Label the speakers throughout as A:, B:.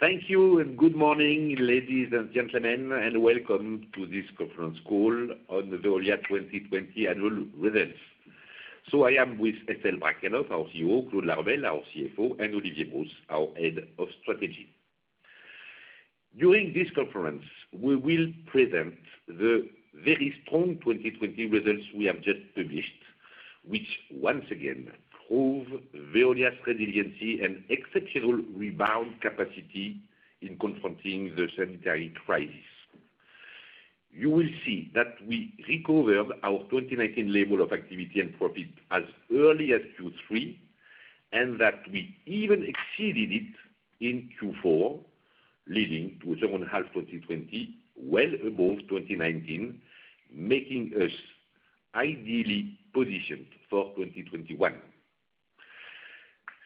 A: Thank you. Good morning, ladies and gentlemen, and welcome to this conference call on the Veolia 2020 annual results. I am with Estelle Brachlianoff, our COO, Claude Laruelle, our CFO, and Olivier Brousse, our Head of Strategy. During this conference, we will present the very strong 2020 results we have just published, which once again prove Veolia's resiliency and exceptional rebound capacity in confronting the sanitary crisis. You will see that we recovered our 2019 level of activity and profit as early as Q3. We even exceeded it in Q4, leading to the second half 2020, well above 2019, making us ideally positioned for 2021.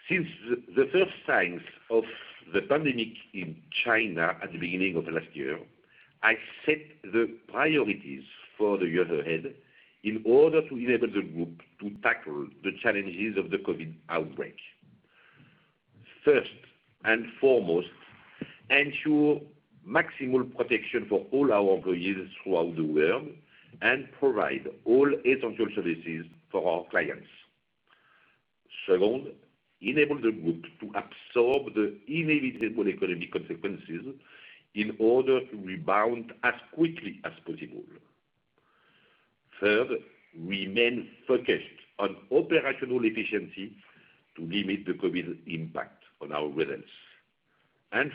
A: Since the first signs of the pandemic in China at the beginning of last year, I set the priorities for the year ahead in order to enable the group to tackle the challenges of the COVID outbreak. First and foremost, ensure maximal protection for all our employees throughout the world and provide all essential services for our clients. Second, enable the group to absorb the inevitable economic consequences in order to rebound as quickly as possible. Third, remain focused on operational efficiency to limit the COVID impact on our results.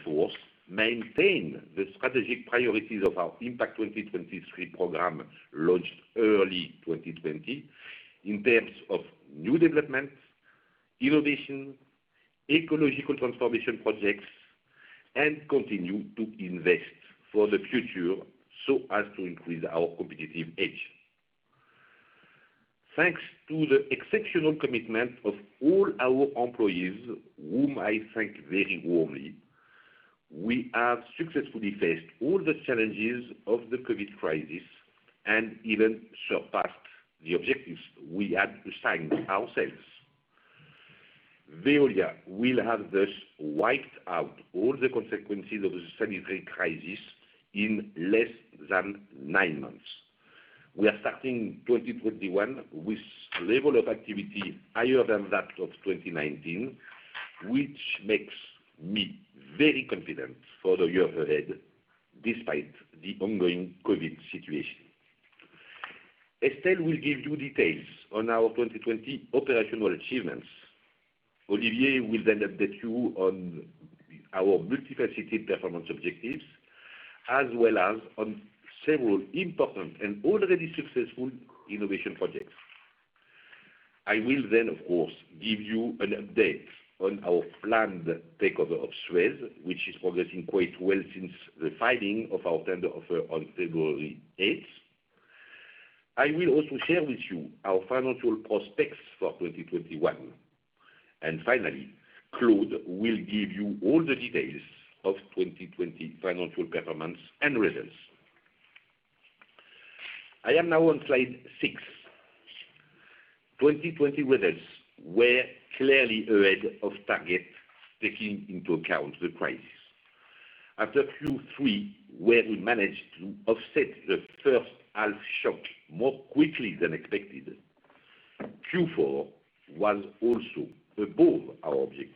A: Fourth, maintain the strategic priorities of our Impact 2023 program launched early 2020 in terms of new development, innovation, ecological transformation projects, and continue to invest for the future so as to increase our competitive edge. Thanks to the exceptional commitment of all our employees, whom I thank very warmly, we have successfully faced all the challenges of the COVID crisis and even surpassed the objectives we had assigned ourselves. Veolia will have thus wiped out all the consequences of the sanitary crisis in less than nine months. We are starting 2021 with level of activity higher than that of 2019, which makes me very confident for the year ahead, despite the ongoing COVID situation. Estelle will give you details on our 2020 operational achievements. Olivier will update you on our multifaceted performance objectives, as well as on several important and already successful innovation projects. I will, of course, give you an update on our planned takeover of Suez, which is progressing quite well since the filing of our tender offer on February 8th. I will also share with you our financial prospects for 2021. Finally, Claude will give you all the details of 2020 financial performance and results. I am now on slide six. 2020 results were clearly ahead of target, taking into account the crisis. After Q3, where we managed to offset the first half shock more quickly than expected, Q4 was also above our objectives.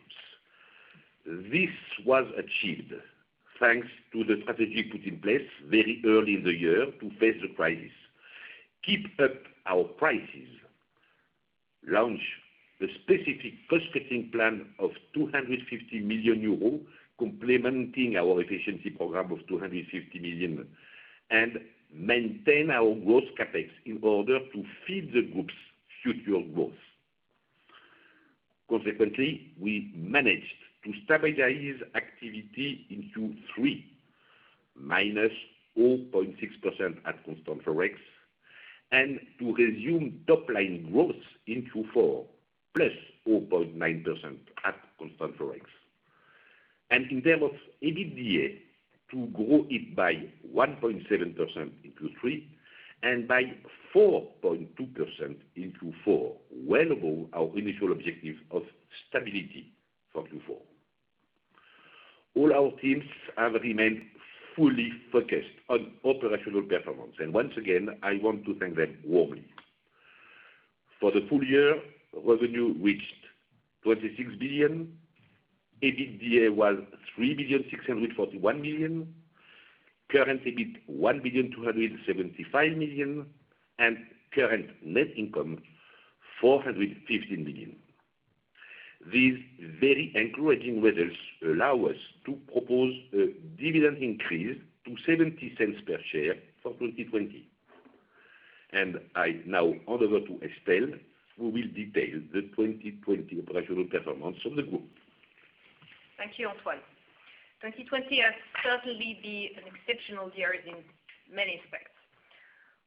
A: This was achieved thanks to the strategy put in place very early in the year to face the crisis, keep up our prices, launch the specific cost-cutting plan of 250 million euros, complementing our efficiency program of 250 million, and maintain our growth CapEx in order to feed the group's future growth. We managed to stabilize activity in Q3, -0.6% at constant ForEx, to resume top-line growth in Q4, +0.9% at constant ForEx. In terms of EBITDA, to grow it by 1.7% in Q3, by 4.2% in Q4, well above our initial objective of stability for Q4. All our teams have remained fully focused on operational performance. Once again, I want to thank them warmly. For the full-year, revenue reached 26 billion, EBITDA was 3,641 million, current EBIT 1,275 million, and current net income, 415 million. These very encouraging results allow us to propose a dividend increase to 0.70 per share for 2020. I now hand over to Estelle, who will detail the 2020 operational performance of the group.
B: Thank you, Antoine. 2020 has certainly been an exceptional year in many respects.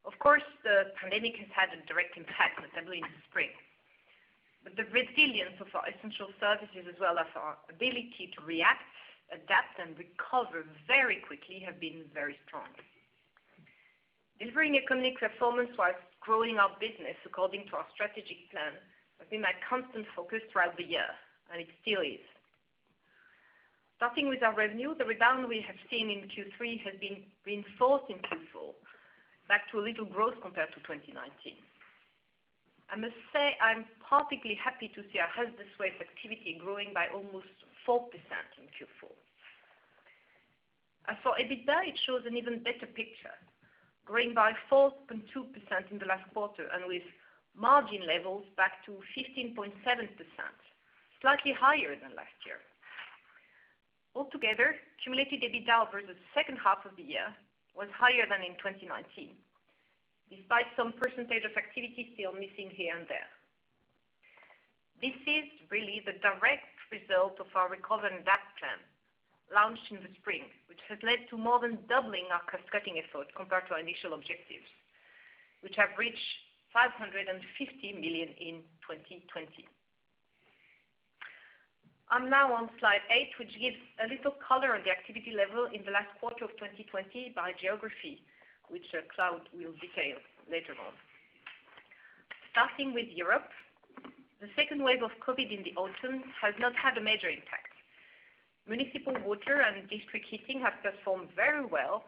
B: Of course, the pandemic has had a direct impact, notably in the spring. The resilience of our essential services as well as our ability to react, adapt and recover very quickly have been very strong. Delivering economic performance whilst growing our business according to our strategic plan has been my constant focus throughout the year, and it still is. Starting with our revenue, the rebound we have seen in Q3 has been reinforced in Q4, back to a little growth compared to 2019. I must say, I'm particularly happy to see our hazardous waste activity growing by almost 4% in Q4. For EBITDA, it shows an even better picture, growing by 4.2% in the last quarter and with margin levels back to 15.7%, slightly higher than last year. Altogether, cumulative EBITDA over the second half of the year was higher than in 2019, despite some percentage of activity still missing here and there. This is really the direct result of our Recover and Adapt plan launched in the spring, which has led to more than doubling our cost-cutting effort compared to our initial objectives, which have reached 550 million in 2020. I'm now on slide eight, which gives a little color on the activity level in the last quarter of 2020 by geography, which Claude will detail later on. Starting with Europe, the second wave of COVID in the autumn has not had a major impact. Municipal water and district heating have performed very well,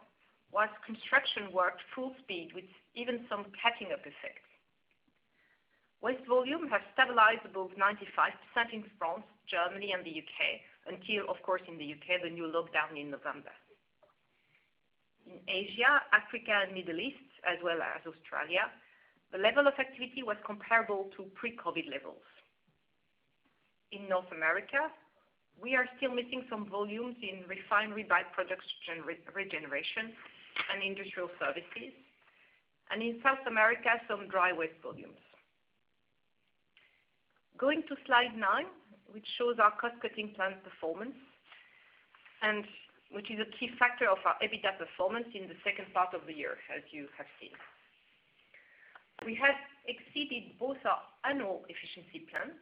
B: whilst construction worked full speed with even some catching up effects. Waste volume has stabilized above 95% in France, Germany, and the U.K. until, of course, in the U.K., the new lockdown in November. In Asia, Africa, and Middle East, as well as Australia, the level of activity was comparable to pre-COVID levels. In North America, we are still missing some volumes in refinery by-product regeneration and industrial services, and in South America, some dry waste volumes. Going to slide nine, which shows our cost-cutting plan performance, and which is a key factor of our EBITDA performance in the second part of the year, as you have seen. We have exceeded both our annual efficiency plans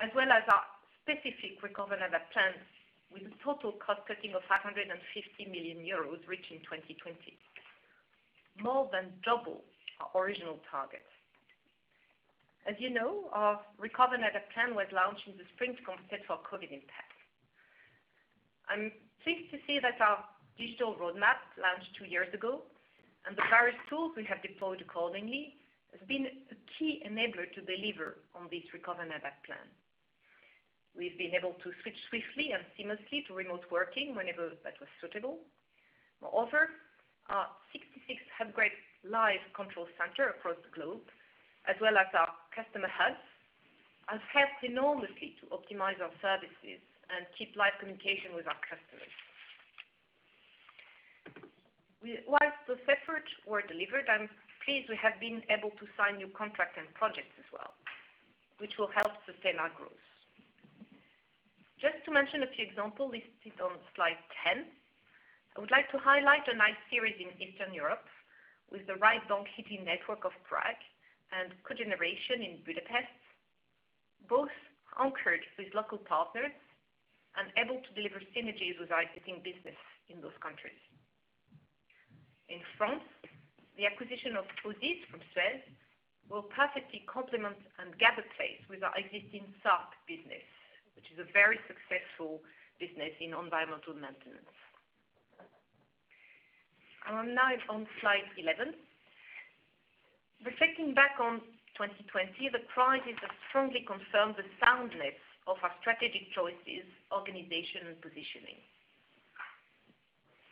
B: as well as our specific Recover and Adapt plans with a total cost cutting of 550 million euros reached in 2020, more than double our original targets. As you know, our Recover and Adapt plan was launched in the spring to compensate for COVID impact. I'm pleased to see that our digital roadmap launched two years ago, and the various tools we have deployed accordingly, has been a key enabler to deliver on this Recover and Adapt plan. We've been able to switch swiftly and seamlessly to remote working whenever that was suitable. Over 66 Hubgrade live control center across the globe, as well as our customer hubs, have helped enormously to optimize our services and keep live communication with our customers. While those efforts were delivered, I'm pleased we have been able to sign new contracts and projects as well, which will help sustain our growth. Just to mention a few examples listed on slide 10, I would like to highlight a nice series in Eastern Europe with the right bank district heating network of Prague and cogeneration in Budapest, both anchored with local partners and able to deliver synergies with our existing business in those countries. In France, the acquisition of OSIS from Suez will perfectly complement and take its place with our existing SARP business, which is a very successful business in environmental maintenance. I'm now on slide 11. Reflecting back on 2020, the crisis has strongly confirmed the soundness of our strategic choices, organization, and positioning.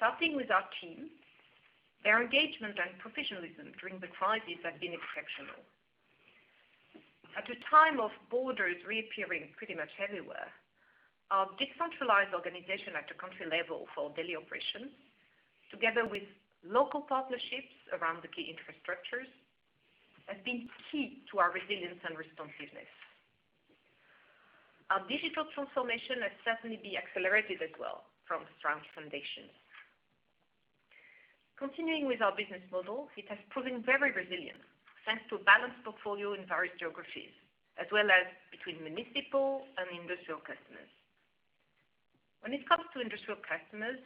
B: Starting with our team, their engagement and professionalism during the crisis have been exceptional. At a time of borders reappearing pretty much everywhere, our decentralized organization at the country level for daily operations, together with local partnerships around the key infrastructures, have been key to our resilience and responsiveness. Our digital transformation has certainly been accelerated as well from strong foundations. Continuing with our business model, it has proven very resilient thanks to a balanced portfolio in various geographies, as well as between municipal and industrial customers. When it comes to industrial customers,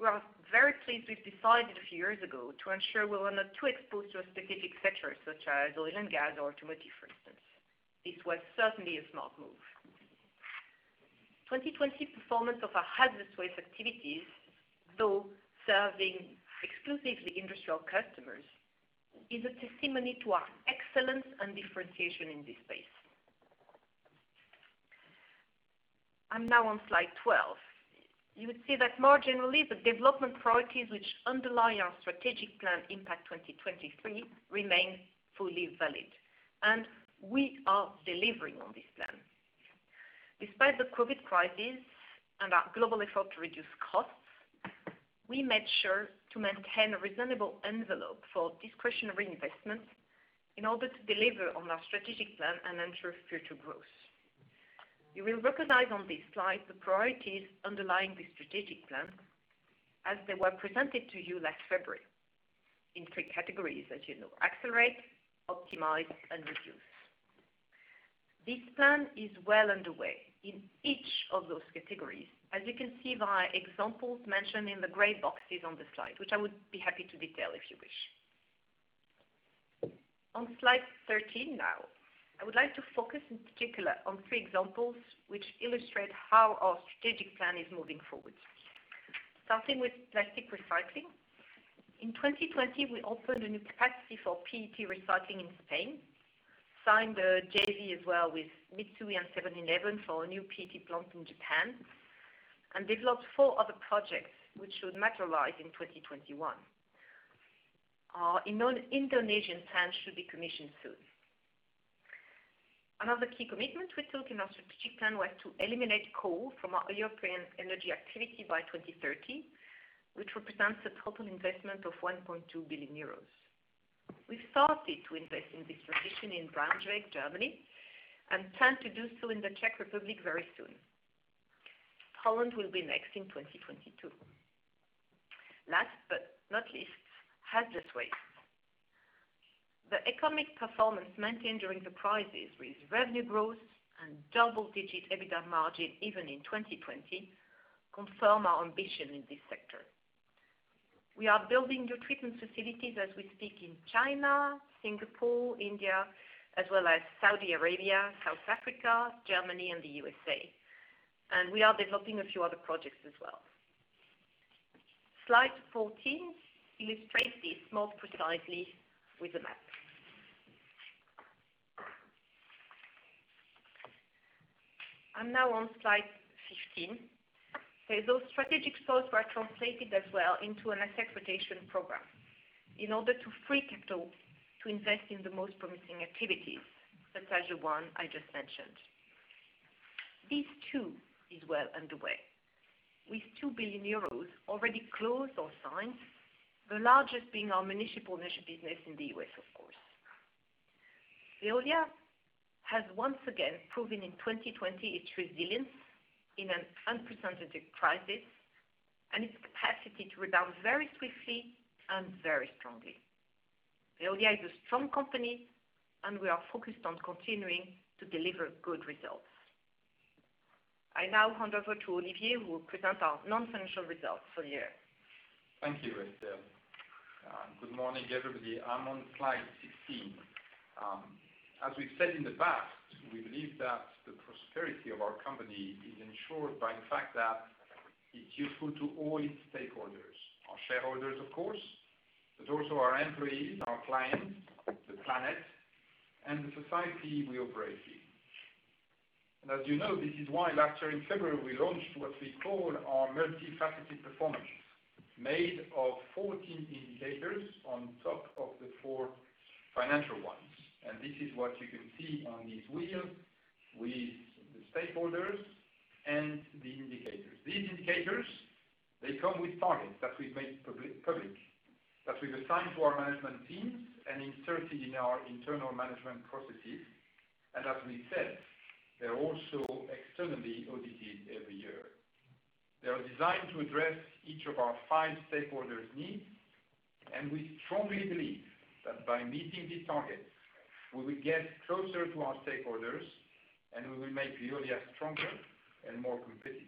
B: we are very pleased we've decided a few years ago to ensure we were not too exposed to a specific sector such as oil and gas or automotive, for instance. This was certainly a smart move. 2020 performance of our hazardous waste activities, though serving exclusively industrial customers, is a testimony to our excellence and differentiation in this space. I'm now on slide 12. You would see that more generally, the development priorities which underlie our strategic plan, Impact 2023, remain fully valid, and we are delivering on this plan. Despite the COVID crisis and our global effort to reduce costs, we made sure to maintain a reasonable envelope for discretionary investments in order to deliver on our strategic plan and ensure future growth. You will recognize on this slide the priorities underlying the strategic plan as they were presented to you last February in three categories, as you know, accelerate, optimize, and reduce. This plan is well underway in each of those categories, as you can see via examples mentioned in the gray boxes on the slide, which I would be happy to detail if you wish. On slide 13 now. I would like to focus in particular on three examples which illustrate how our strategic plan is moving forward. Starting with plastic recycling. In 2020, we opened a new capacity for PET recycling in Spain, signed a JV as well with Mitsui and 7-Eleven for a new PET plant in Japan, and developed four other projects which should materialize in 2021. Our Indonesian plant should be commissioned soon. Another key commitment we took in our strategic plan was to eliminate coal from our European energy activity by 2030, which represents a total investment of 1.2 billion euros. We started to invest in this transition in Braunschweig, Germany, and plan to do so in the Czech Republic very soon. Poland will be next in 2022. Last but not least, hazardous waste. The economic performance maintained during the crisis with revenue growth and double-digit EBITDA margin even in 2020, confirm our ambition in this sector. We are building new treatment facilities as we speak in China, Singapore, India, as well as Saudi Arabia, South Africa, Germany, and the U.S. We are developing a few other projects as well. Slide 14 illustrates this more precisely with a map. I'm now on slide 15. Those strategic goals were translated as well into an asset rotation program in order to free capital to invest in the most promising activities, such as the one I just mentioned. This too is well underway, with 2 billion euros already closed or signed, the largest being our municipal energy business in the U.S., of course. Veolia has once again proven in 2020 its resilience in an unprecedented crisis and its capacity to rebound very swiftly and very strongly. Veolia is a strong company, and we are focused on continuing to deliver good results. I now hand over to Olivier, who will present our non-financial results for the year.
C: Thank you, Estelle. Good morning, everybody. I'm on slide 16. As we've said in the past, we believe that the prosperity of our company is ensured by the fact that it's useful to all its stakeholders, our shareholders of course, but also our employees, our clients, the planet, and the society we operate in. As you know, this is why last year in February, we launched what we call our multifaceted performance, made of 14 indicators on top of the four financial ones. This is what you can see on this wheel with the stakeholders and the indicators. These indicators, they come with targets that we've made public, that we've assigned to our management teams and inserted in our internal management processes. As we said, they're also externally audited every year. They are designed to address each of our five stakeholders' needs. We strongly believe that by meeting these targets, we will get closer to our stakeholders, and we will make Veolia stronger and more competitive.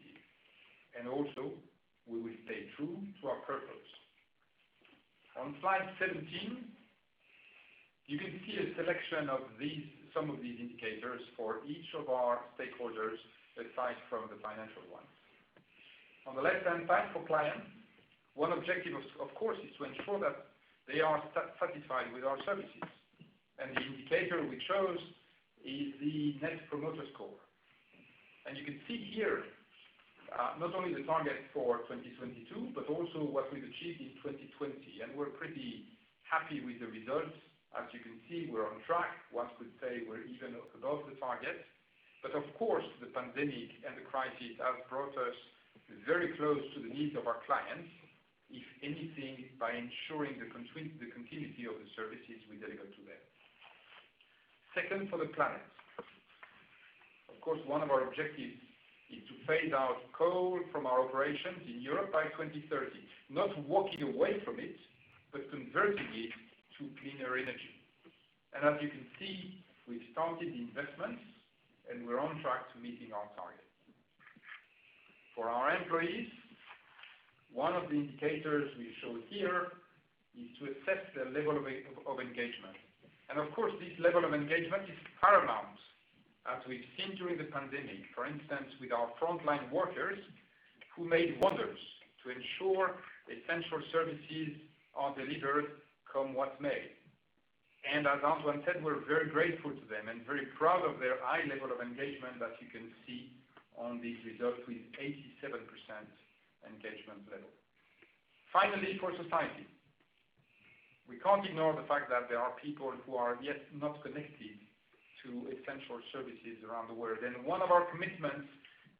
C: Also, we will stay true to our purpose. On slide 17, you can see a selection of some of these indicators for each of our stakeholders, aside from the financial ones. On the left-hand side for clients, one objective, of course, is to ensure that they are satisfied with our services. The indicator we chose is the Net Promoter Score. You can see here, not only the target for 2022, but also what we've achieved in 2020, and we're pretty happy with the results. As you can see, we're on track. One could say we're even above the target. Of course, the pandemic and the crisis have brought us very close to the needs of our clients, if anything, by ensuring the continuity of the services we deliver to them. Second, for the planet. One of our objectives is to phase out coal from our operations in Europe by 2030, not walking away from it, but converting it to cleaner energy. As you can see, we've started the investments, and we're on track to meeting our target. For our employees, one of the indicators we show here is to assess the level of engagement. Of course, this level of engagement is paramount, as we've seen during the pandemic, for instance, with our frontline workers who made wonders to ensure essential services are delivered come what may. As Antoine said, we're very grateful to them and very proud of their high level of engagement that you can see on these results with 87% engagement level. Finally, for society. We can't ignore the fact that there are people who are yet not connected to essential services around the world. One of our commitments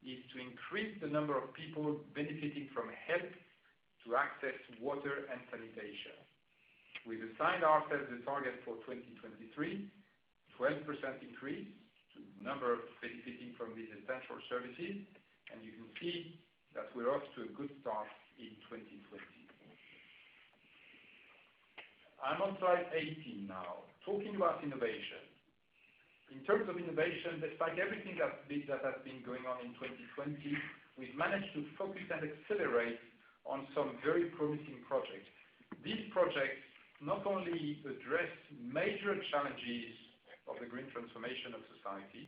C: is to increase the number of people benefiting from help to access water and sanitation. We've assigned ourselves a target for 2023, 12% increase to the number benefiting from these essential services, and you can see that we're off to a good start in 2020. I'm on slide 18 now, talking about innovation. In terms of innovation, despite everything that has been going on in 2020, we've managed to focus and accelerate on some very promising projects. These projects not only address major challenges of the green transformation of society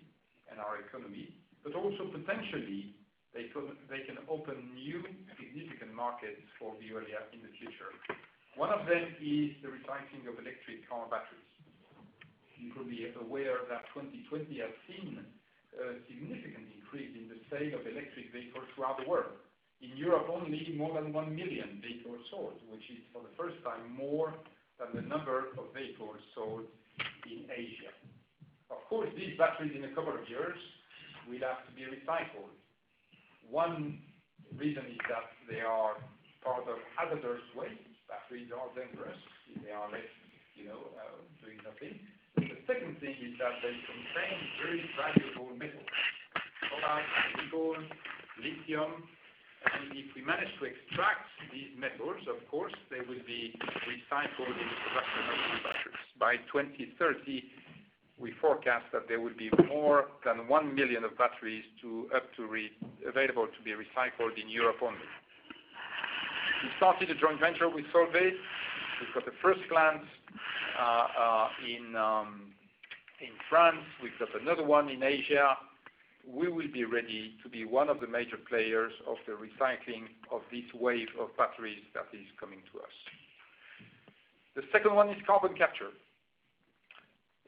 C: and our economy, but also potentially, they can open new significant markets for Veolia in the future. One of them is the recycling of electric car batteries. You will be aware that 2020 has seen a significant increase in the sale of electric vehicles throughout the world. In Europe, only more than 1 million vehicles sold, which is for the first time, more than the number of vehicles sold in Asia. Of course, these batteries in a couple of years will have to be recycled. One reason is that they are part of hazardous waste. Batteries are dangerous if they are left doing nothing. The second thing is that they contain very valuable metals, cobalt, nickel, lithium. If we manage to extract these metals, of course, they will be recycled into production of new batteries. By 2030, we forecast that there will be more than 1 million batteries available to be recycled in Europe only. We started a joint venture with Solvay. We've got the first plant in France. We've got another one in Asia. We will be ready to be one of the major players of the recycling of this wave of batteries that is coming to us. The second one is carbon capture.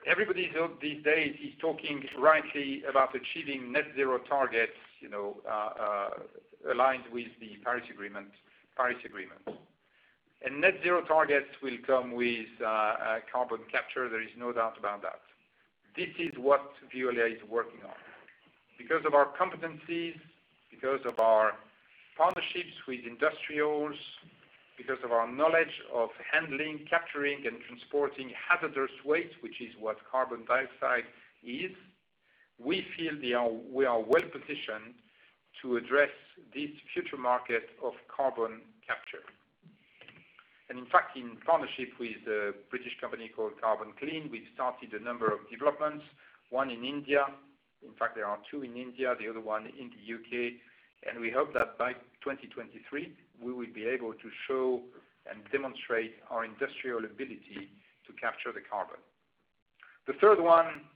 C: Everybody these days is talking rightly about achieving net zero targets, aligned with the Paris Agreement. Net zero targets will come with carbon capture, there is no doubt about that. This is what Veolia is working on. Because of our competencies, because of our partnerships with industrials, because of our knowledge of handling, capturing, and transporting hazardous waste, which is what carbon dioxide is, we feel we are well positioned to address this future market of carbon capture. In fact, in partnership with a British company called Carbon Clean, we've started a number of developments, one in India. There are two in India, the other one in the U.K., and we hope that by 2023, we will be able to show and demonstrate our industrial ability to capture the carbon. The third one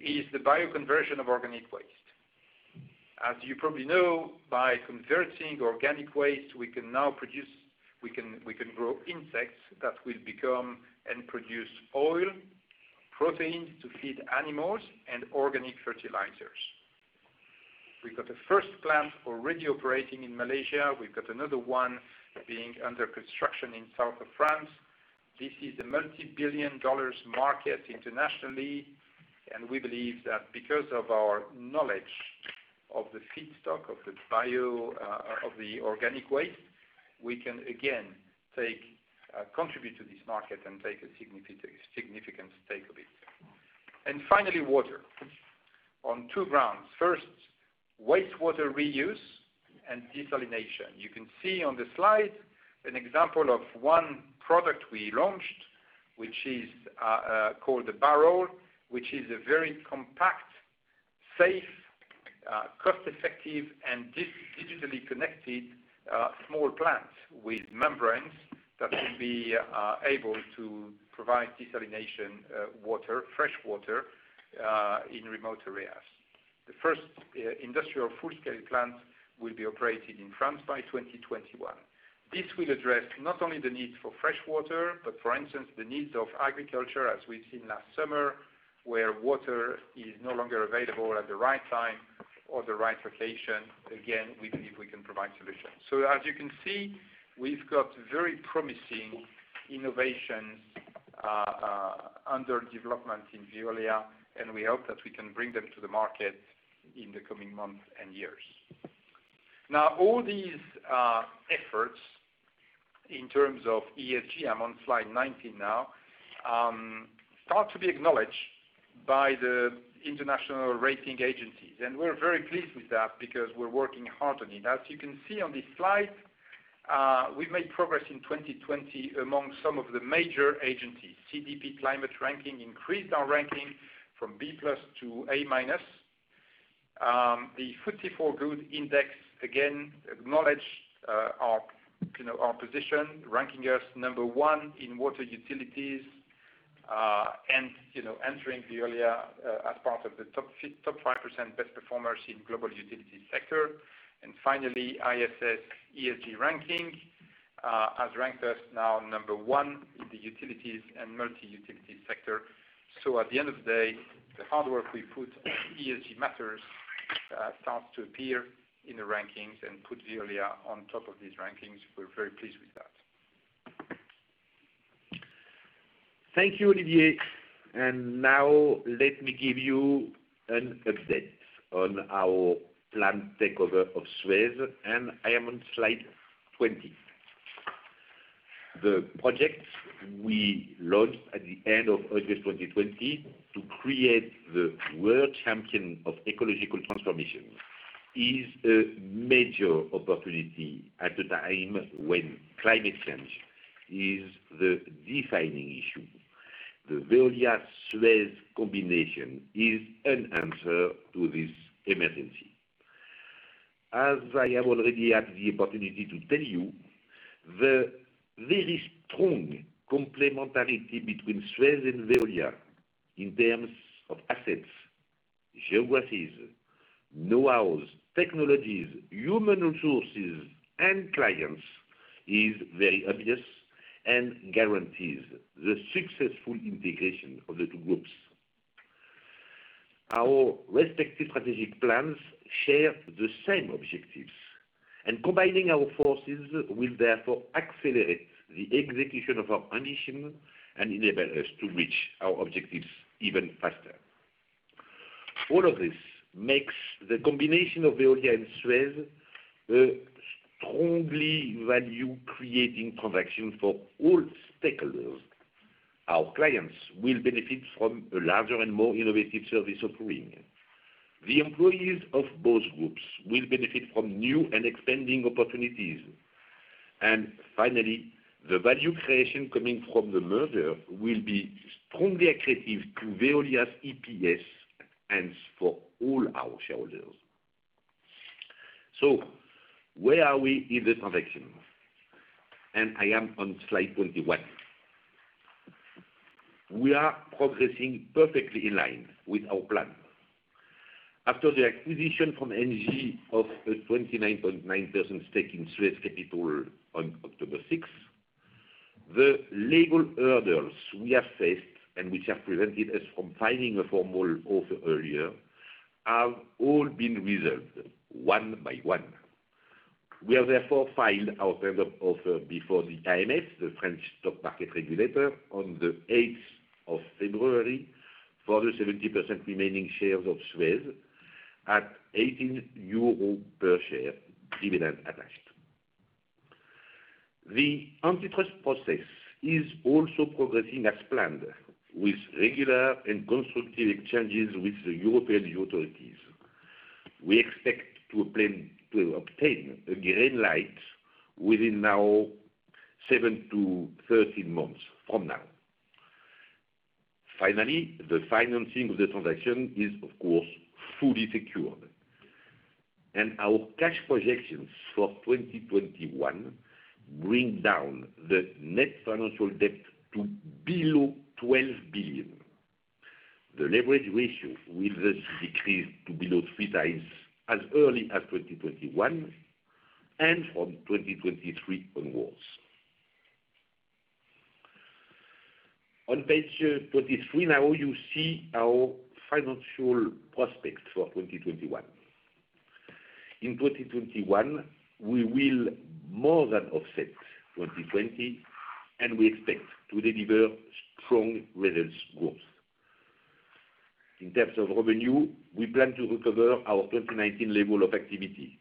C: is the bioconversion of organic waste. As you probably know, by converting organic waste, we can now grow insects that will become and produce oil, protein to feed animals, and organic fertilizers. We've got a first plant already operating in Malaysia. We've got another one being under construction in the south of France. This is a multi-billion dollars market internationally, and we believe that because of our knowledge of the feedstock of the organic waste, we can, again, contribute to this market and take a significant stake of it. Finally, water, on two grounds. First, wastewater reuse and desalination. You can see on the slide an example of one product we launched, which is called the Barrel, which is a very compact, safe, cost-effective, and digitally connected small plant with membranes that will be able to provide desalination fresh water in remote areas. The first industrial full-scale plant will be operating in France by 2021. This will address not only the need for fresh water, but for instance, the needs of agriculture, as we've seen last summer, where water is no longer available at the right time or the right location. Again, we believe we can provide solutions. As you can see, we've got very promising innovations under development in Veolia, and we hope that we can bring them to the market in the coming months and years. All these efforts in terms of ESG, I'm on slide 19 now, start to be acknowledged by the international rating agencies. We're very pleased with that because we're working hard on it. As you can see on this slide, we've made progress in 2020 among some of the major agencies. CDP climate ranking increased our ranking from B+ to A-. The FTSE4Good Index, again, acknowledged our position, ranking us number one in water utilities, and entering Veolia as part of the top 5% best performers in global utility sector. Finally, ISS ESG ranking has ranked us now number one in the utilities and multi-utility sector. At the end of the day, the hard work we put on ESG matters starts to appear in the rankings and put Veolia on top of these rankings. We're very pleased with that.
A: Thank you, Olivier. Now let me give you an update on our planned takeover of Suez. I am on slide 20. The project we launched at the end of August 2020 to create the world champion of ecological transformation is a major opportunity at a time when climate change is the defining issue. The Veolia-Suez combination is an answer to this emergency. As I have already had the opportunity to tell you, the very strong complementarity between Suez and Veolia in terms of assets, geographies, know-hows, technologies, human resources, and clients is very obvious and guarantees the successful integration of the two groups. Our respective strategic plans share the same objectives, combining our forces will therefore accelerate the execution of our ambition and enable us to reach our objectives even faster. All of this makes the combination of Veolia and Suez a strongly value-creating transaction for all stakeholders. Our clients will benefit from a larger and more innovative service offering. The employees of both groups will benefit from new and expanding opportunities. Finally, the value creation coming from the merger will be strongly accretive to Veolia's EPS, hence for all our shareholders. Where are we in the transaction? I am on slide 21. We are progressing perfectly in line with our plan. After the acquisition from Engie of a 29.9% stake in Suez capital on October 6th, the legal hurdles we have faced and which have prevented us from filing a formal offer earlier have all been resolved one by one. We have therefore filed our tender offer before the AMF, the French stock market regulator, on February 8th for the 70% remaining shares of Suez at 18 euro per share, dividend attached. The antitrust process is also progressing as planned with regular and constructive exchanges with the European authorities. We expect to obtain a green light within now 7-13 months from now. The financing of the transaction is, of course, fully secured, and our cash projections for 2021 bring down the net financial debt to below 12 billion. The leverage ratio will thus decrease to below 3x as early as 2021 and from 2023 onwards. On page 23 now, you see our financial prospects for 2021. In 2021, we will more than offset 2020, and we expect to deliver strong results growth. In terms of revenue, we plan to recover our 2019 level of activity.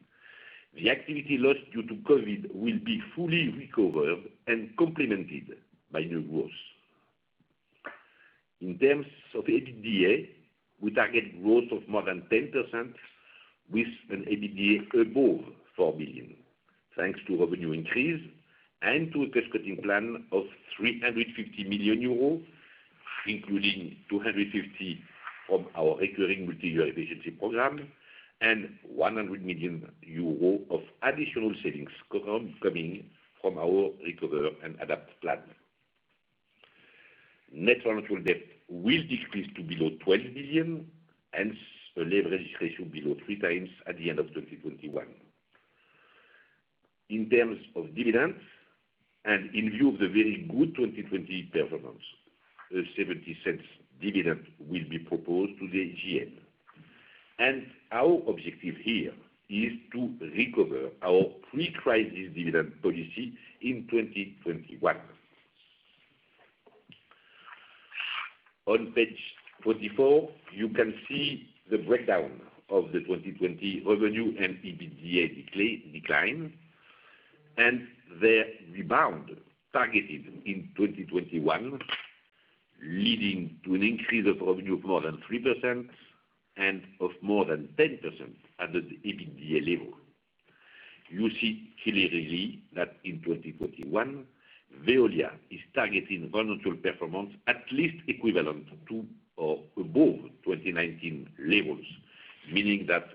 A: The activity lost due to COVID will be fully recovered and complemented by new growth. In terms of EBITDA, we target growth of more than 10% with an EBITDA above 4 billion, thanks to revenue increase and to a cost-cutting plan of 350 million euros, including 250 million from our recurring multi-year efficiency program and 100 million euros of additional savings coming from our Recover and Adapt plan. Net financial debt will decrease to below 12 billion, hence a leverage ratio below 3x at the end of 2021. In terms of dividends, in view of the very good 2020 performance, a 0.70 dividend will be proposed to the GM. Our objective here is to recover our pre-crisis dividend policy in 2021. On page 24, you can see the breakdown of the 2020 revenue and EBITDA decline, their rebound targeted in 2021, leading to an increase of revenue of more than 3% and of more than 10% at the EBITDA level. You see clearly that in 2021, Veolia is targeting financial performance at least equivalent to or above 2019 levels, meaning that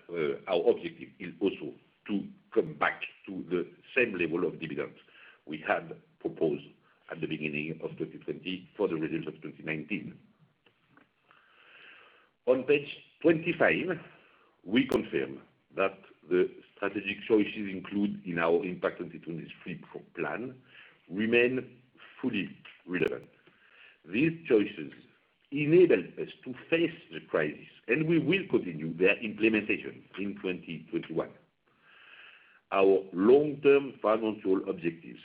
A: our objective is also to come back to the same level of dividends we had proposed at the beginning of 2020 for the results of 2019. On page 25, we confirm that the strategic choices included in our Impact 2023 plan remain fully relevant. These choices enabled us to face the crisis. We will continue their implementation in 2021. Our long-term financial objectives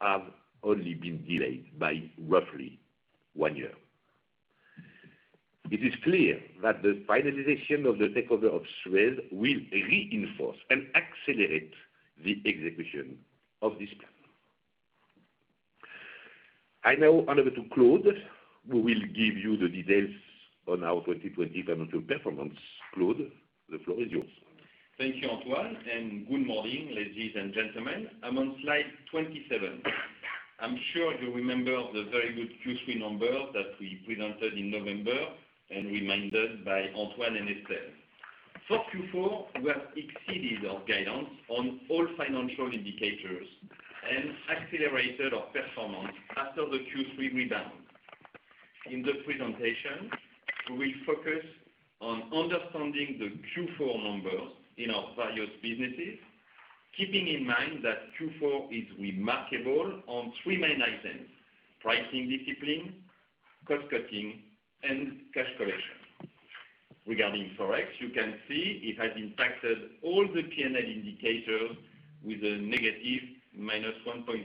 A: have only been delayed by roughly one year. It is clear that the finalization of the takeover of Suez will reinforce and accelerate the execution of this plan. I now hand over to Claude, who will give you the details on our 2020 financial performance. Claude, the floor is yours.
D: Thank you, Antoine, and good morning, ladies and gentlemen. I'm on slide 27. I'm sure you remember the very good Q3 number that we presented in November and reminded by Antoine and Estelle. For Q4, we have exceeded our guidance on all financial indicators and accelerated our performance after the Q3 rebound. In the presentation, we focus on understanding the Q4 numbers in our various businesses, keeping in mind that Q4 is remarkable on three main items: pricing discipline, cost-cutting, and cash collection. Regarding ForEx, you can see it has impacted all the P&L indicators with a negative, -1.5%.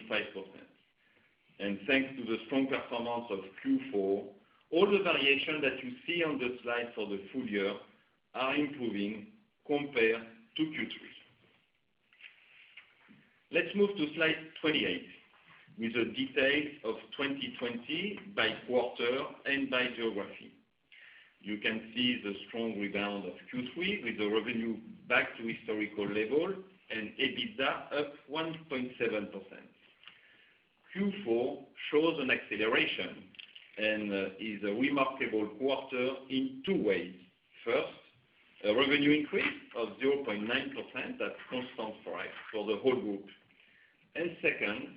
D: Thanks to the strong performance of Q4, all the variations that you see on the slide for the full-year are improving compared to Q3. Let's move to slide 28 with the details of 2020 by quarter and by geography. You can see the strong rebound of Q3 with the revenue back to historical level and EBITDA up 1.7%. Q4 shows an acceleration and is a remarkable quarter in two ways. First, a revenue increase of 0.9% at constant price for the whole group. Second,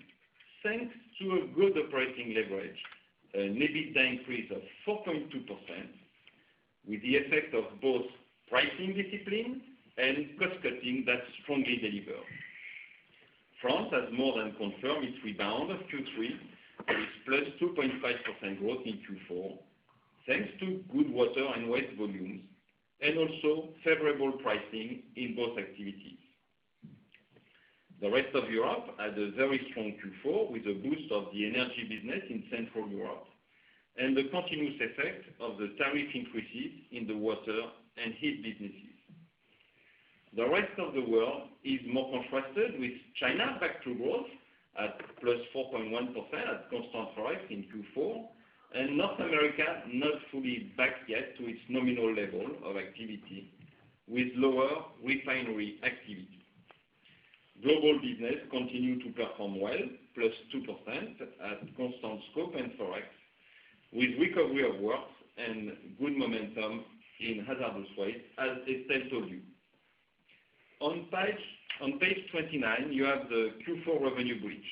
D: thanks to a good operating leverage, an EBITDA increase of 4.2% with the effect of both pricing discipline and cost-cutting that strongly deliver. France has more than confirmed its rebound of Q3 with +2.5% growth in Q4, thanks to good water and waste volumes, and also favorable pricing in both activities. The rest of Europe had a very strong Q4 with a boost of the energy business in Central Europe and the continuous effect of the tariff increases in the water and heat businesses. The rest of the world is more contrasted with China back to growth at +4.1% at constant price in Q4, and North America not fully back yet to its nominal level of activity with lower refinery activity. Global business continued to perform well, +2% at constant scope and ForEx, with recovery of waste and good momentum in hazardous waste, as Estelle told you. On page 29, you have the Q4 revenue bridge.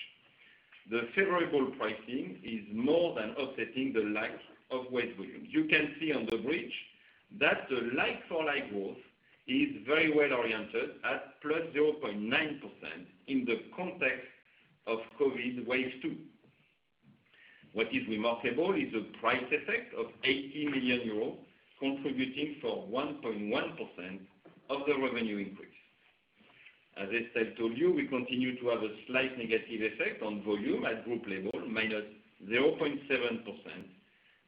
D: The favorable pricing is more than offsetting the lack of waste volume. You can see on the bridge that the like-for-like growth is very well oriented at +0.9% in the context of COVID wave two. What is remarkable is the price effect of 80 million euros, contributing for +1.1% of the revenue increase. As Estelle told you, we continue to have a slight negative effect on volume at group level, -0.7%,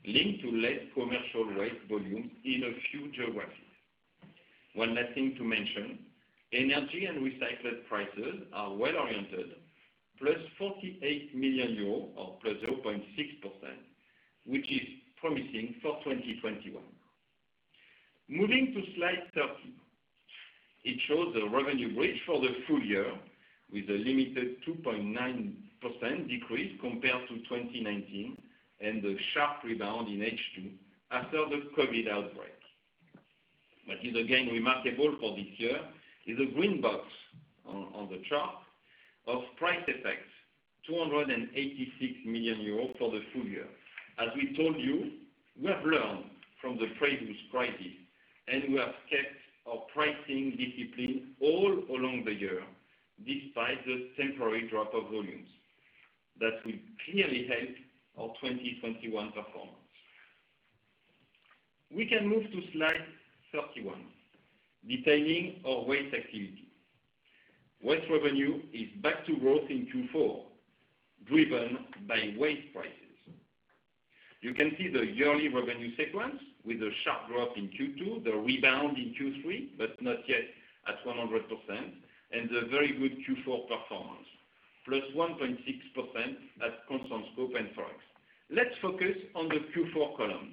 D: linked to less commercial waste volume in a few geographies. One last thing to mention, energy and recycled prices are well-oriented, +48 million euros or +0.6%, which is promising for 2021. Moving to slide 30. It shows the revenue bridge for the full-year with a limited 2.9% decrease compared to 2019 and the sharp rebound in H2 after the COVID outbreak. What is again remarkable for this year is the green box on the chart of price effects, 286 million euros for the full-year. As we told you, we have learned from the previous crisis, and we have kept our pricing discipline all along the year despite the temporary drop of volumes. That will clearly help our 2021 performance. We can move to slide 31, detailing our waste activity. Waste revenue is back to growth in Q4, driven by waste prices. You can see the yearly revenue sequence with a sharp drop in Q2, the rebound in Q3, but not yet at 100%, and the very good Q4 performance, +1.6% at constant scope and ForEx. Let's focus on the Q4 column.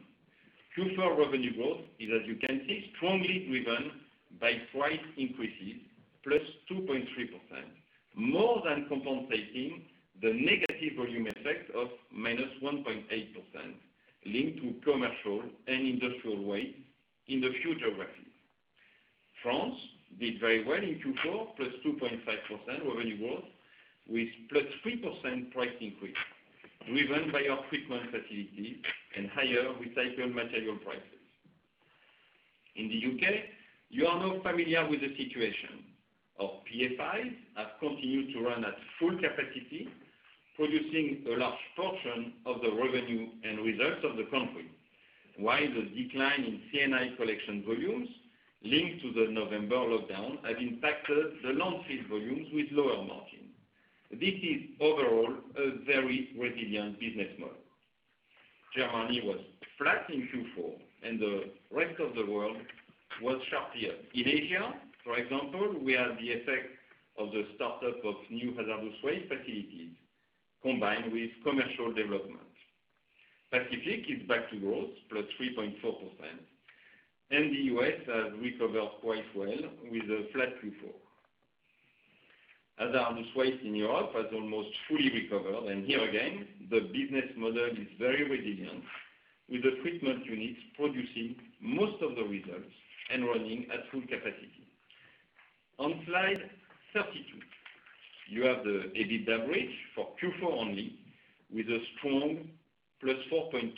D: Q4 revenue growth is, as you can see, strongly driven by price increases +2.3%, more than compensating the negative volume effect of -1.8%, linked to commercial and industrial waste in the U.K. and Germany. France did very well in Q4, +2.5% revenue growth with +3% price increase, driven by our treatment facilities and higher recycled material prices. In the U.K., you are now familiar with the situation. Our PFIs have continued to run at full capacity, producing a large portion of the revenue and results of the country. While the decline in C&I collection volumes linked to the November lockdown have impacted the landfill volumes with lower margin. This is overall a very resilient business model. Germany was flat in Q4, and the rest of the world was sharply up. In Asia, for example, we had the effect of the startup of new hazardous waste facilities combined with commercial development. Pacific is back to growth, +3.4%, and the U.S. has recovered quite well with a flat Q4. Hazardous waste in Europe has almost fully recovered, and here again, the business model is very resilient, with the treatment units producing most of the results and running at full capacity. On slide 32, you have the EBITDA bridge for Q4 only, with a strong +4.2%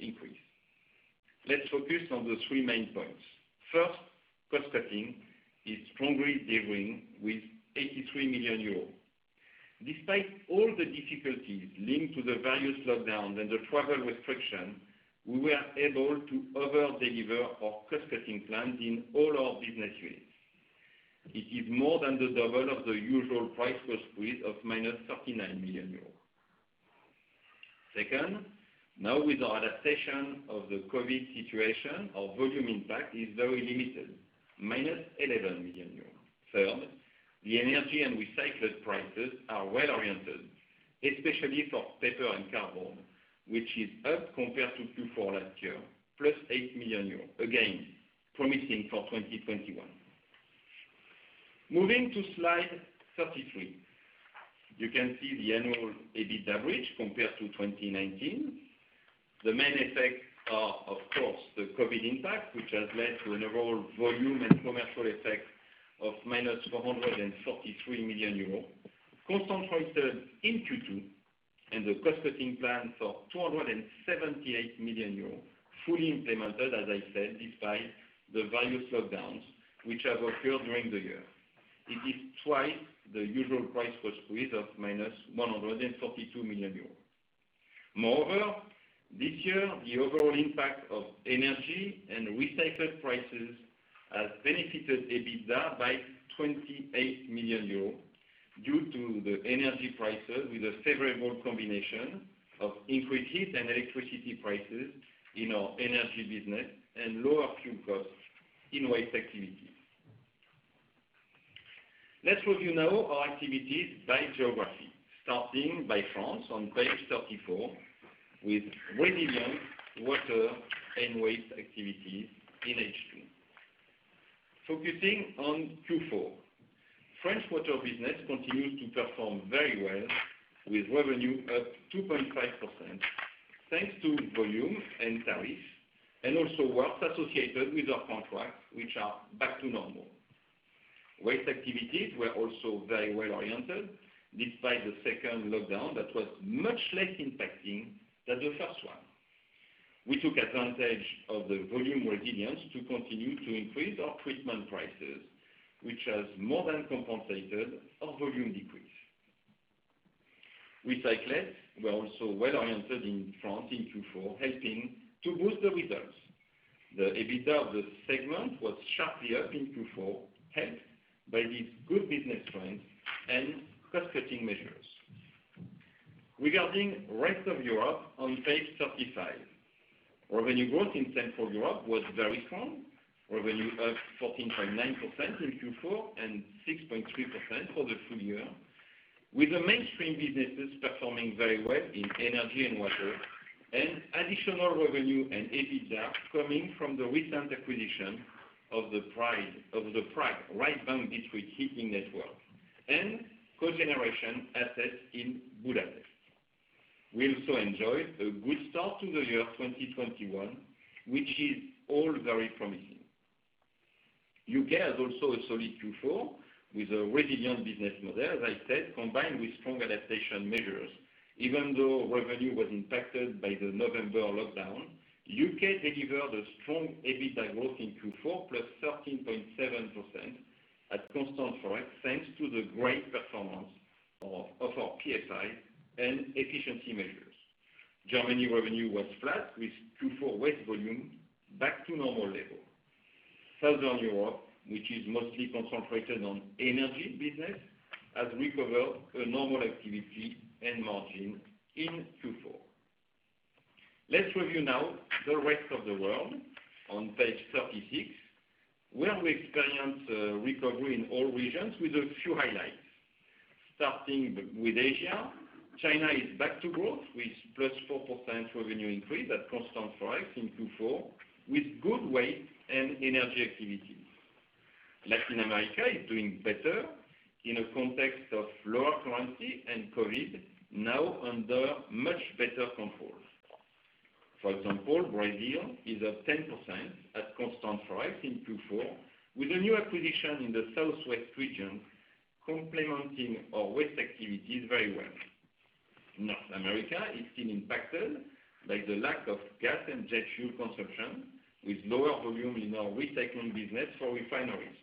D: increase. Let's focus on the three main points. First, cost-cutting is strongly delivering with 83 million euros. Despite all the difficulties linked to the various lockdowns and the travel restrictions, we were able to over-deliver our cost-cutting plans in all our business units. It is more than the double of the usual price-cost squeeze of -39 million euros. Now with our adaptation of the COVID situation, our volume impact is very limited, -11 million euros. The energy and recycled prices are well-oriented, especially for paper and cardboard, which is up compared to Q4 last year, +8 million euros. Promising for 2021. Moving to slide 33. You can see the annual EBITDA bridge compared to 2019. The main effects are, of course, the COVID impact, which has led to an overall volume and commercial effect of -133 million euros, concentrated in Q2, and the cost-cutting plan for 278 million euros, fully implemented, as I said, despite the various lockdowns which have occurred during the year. It is twice the usual price-cost squeeze of -132 million euros. Moreover, this year, the overall impact of energy and recycled prices has benefited EBITDA by 28 million euros due to the energy prices with a favorable combination of increased heat and electricity prices in our energy business and lower fuel costs in waste activities. Let's review now our activities by geography, starting by France on page 34 with resilient water and waste activities in H2. Focusing on Q4. French water business continued to perform very well with revenue up 2.5%, thanks to volume and tariff, and also works associated with our contracts, which are back to normal. Waste activities were also very well-oriented, despite the second lockdown that was much less impacting than the first one. We took advantage of the volume resilience to continue to increase our treatment prices, which has more than compensated our volume decrease. Recyclers were also well-oriented in France in Q4, helping to boost the results. The EBITDA of the segment was sharply up in Q4, helped by these good business trends and cost-cutting measures. Regarding rest of Europe on page 35. Revenue growth in Central Europe was very strong. Revenue up 14.9% in Q4 and 6.3% for the full-year, with the mainstream businesses performing very well in energy and water, and additional revenue and EBITDA coming from the recent acquisition of the Prague right bank district heating network and cogeneration assets in Budapest. We also enjoyed a good start to the year 2021, which is all very promising. U.K. has also a solid Q4 with a resilient business model, as I said, combined with strong adaptation measures. Even though revenue was impacted by the November lockdown, U.K. delivered a strong EBITDA growth in Q4, +13.7% at constant ForEx, thanks to the great performance of our PFI and efficiency measures. Germany revenue was flat with Q4 waste volume back to normal level. Southern Europe, which is mostly concentrated on energy business, has recovered a normal activity and margin in Q4. Let's review now the rest of the world on page 36, where we experience a recovery in all regions with a few highlights. Starting with Asia, China is back to growth with +4% revenue increase at constant ForEx in Q4, with good waste and energy activities. Latin America is doing better in a context of lower currency and COVID, now under much better control. For example, Brazil is up 10% at constant ForEx in Q4, with a new acquisition in the southwest region complementing our waste activities very well. North America is still impacted by the lack of gas and jet fuel consumption, with lower volume in our recycling business for refineries.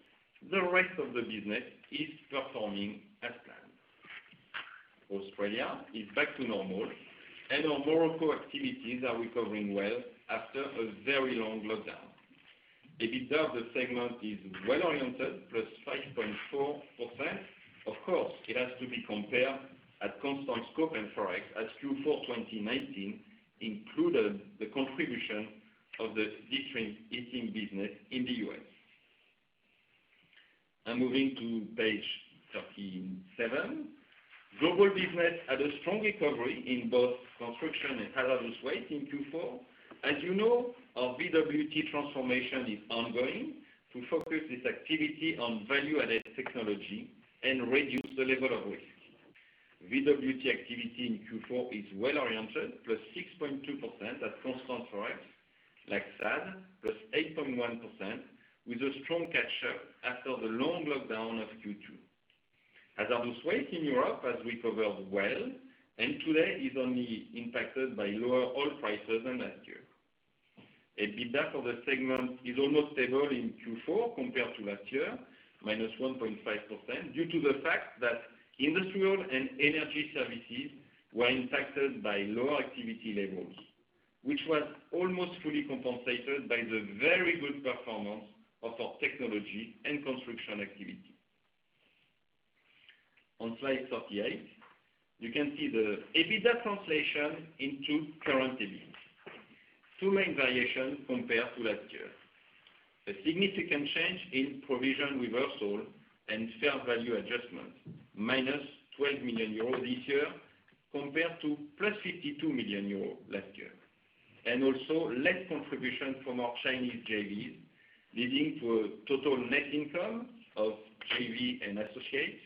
D: The rest of the business is performing as planned. Australia is back to normal, and our Morocco activities are recovering well after a very long lockdown. EBITDA of the segment is well-oriented, +5.4%. Of course, it has to be compared at constant scope and ForEx, as Q4 2019 included the contribution of the district heating business in the U.S. I'm moving to page 37. Global business had a strong recovery in both construction and hazardous waste in Q4. As you know, our VWT transformation is ongoing to focus this activity on value-added technology and reduce the level of risk. VWT activity in Q4 is well-oriented, +6.2% at constant ForEx. Like SADE, +8.1%, with a strong catch-up after the long lockdown of Q2. Hazardous waste in Europe has recovered well and today is only impacted by lower oil prices than last year. EBITDA for the segment is almost stable in Q4 compared to last year, -1.5%, due to the fact that industrial and energy services were impacted by lower activity levels. Which was almost fully compensated by the very good performance of our technology and construction activity. On slide 38, you can see the EBITDA translation into current EBIT. Two main variations compared to last year. A significant change in provision reversal and fair value adjustments, -12 million euros this year compared to +52 million euros last year. Also less contribution from our Chinese JVs, leading to a total net income of JV and associates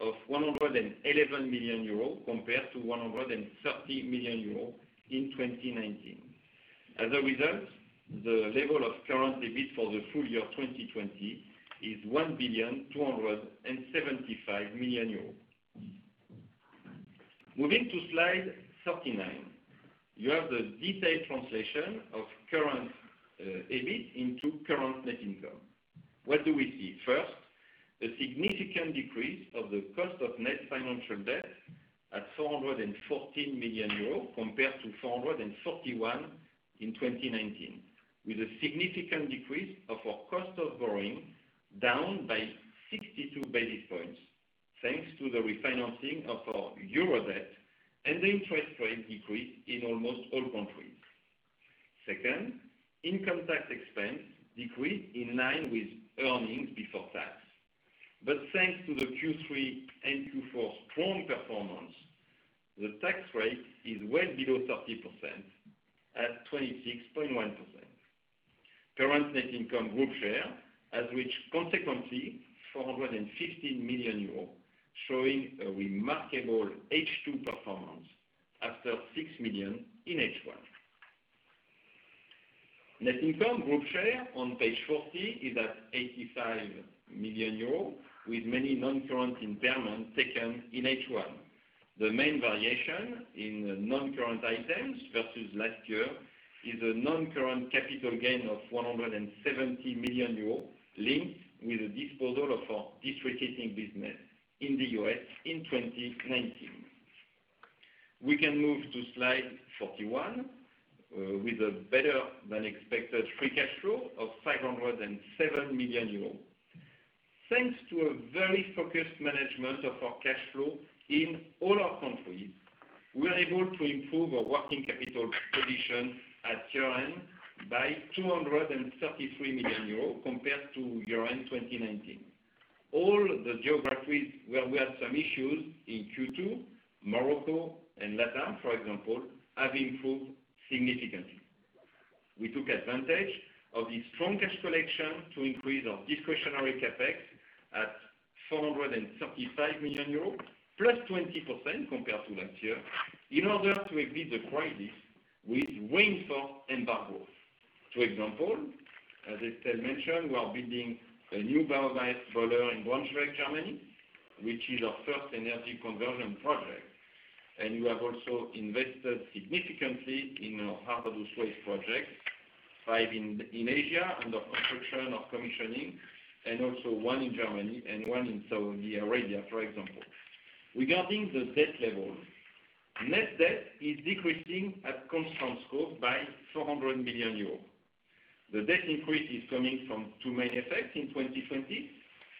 D: of 111 million euros compared to 130 million euros in 2019. As a result, the level of current EBIT for the full-year 2020 is 1.275 billion euros. Moving to slide 39. You have the detailed translation of current EBIT into current net income. What do we see? First, a significant decrease of the cost of net financial debt at 414 million euros compared to 431 million in 2019, with a significant decrease of our cost of borrowing down by 62 basis points, thanks to the refinancing of our euro debt and the interest rate decrease in almost all countries. Second, income tax expense decreased in line with earnings before tax. Thanks to the Q3 and Q4 strong performance, the tax rate is well below 30% at 26.1%. Current net income group share has reached consequently 415 million euros, showing a remarkable H2 performance after 6 million in H1. Net income group share on page 40 is at 85 million euros with many non-current impairments taken in H1. The main variation in the non-current items versus last year is a non-current capital gain of 170 million euros linked with the disposal of our district heating business in the U.S. in 2019. We can move to slide 41, with a better-than-expected free cash flow of 507 million euros. Thanks to a very focused management of our cash flow in all our countries, we are able to improve our working capital position at year-end by EUR 233 million compared to year-end 2019. All the geographies where we had some issues in Q2, Morocco and LatAm, for example, have improved significantly. We took advantage of the strong cash collection to increase our discretionary CapEx at 435 million euros, +20% compared to last year, in order to meet the crisis with reinforced embargoes. For example, as Estelle mentioned, we are building a new biomass boiler in Braunschweig, Germany, which is our first energy conversion project, and we have also invested significantly in our hazardous waste projects, five in Asia, under construction or commissioning, and also one in Germany and one in Saudi Arabia, for example. Regarding the debt level, net debt is decreasing at constant scope by 400 million euros. The debt increase is coming from two main effects in 2020.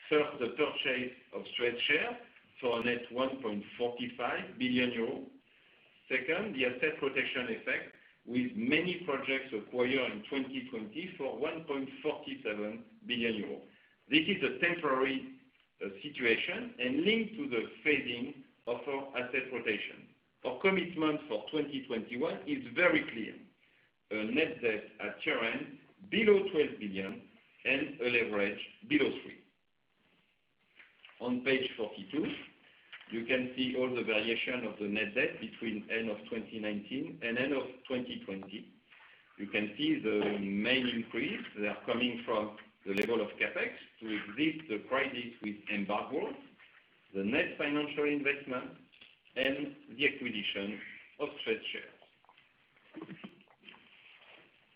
D: First, the purchase of Suez share for a net 1.45 billion euro. Second, the asset protection effect with many projects acquired in 2020 for 1.47 billion euros. This is a temporary situation and linked to the phasing of our asset rotation. Our commitment for 2021 is very clear. A net debt at year-end below 12 billion and a leverage below 3. On page 42, you can see all the variation of the net debt between end of 2019 and end of 2020. You can see the main increase. They are coming from the level of CapEx to exist the crisis with embargoes, the net financial investment, and the acquisition of Suez shares.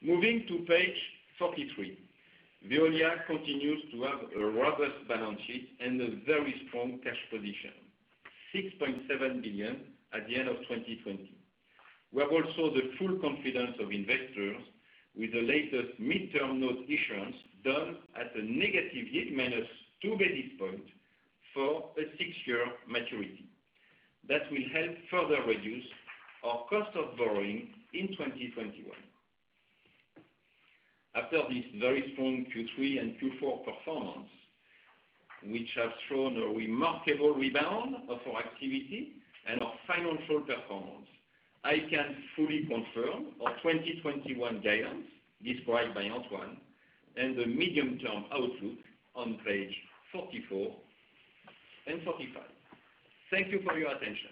D: Moving to page 43. Veolia continues to have a robust balance sheet and a very strong cash position, 6.7 billion at the end of 2020. We have also the full confidence of investors with the latest midterm note issuance done at a a negative yield of -2 basis point for a six-year maturity. That will help further reduce our cost of borrowing in 2021. After this very strong Q3 and Q4 performance, which has shown a remarkable rebound of our activity and our financial performance, I can fully confirm our 2021 guidance described by Antoine and the medium-term outlook on page 44 and 45. Thank you for your attention.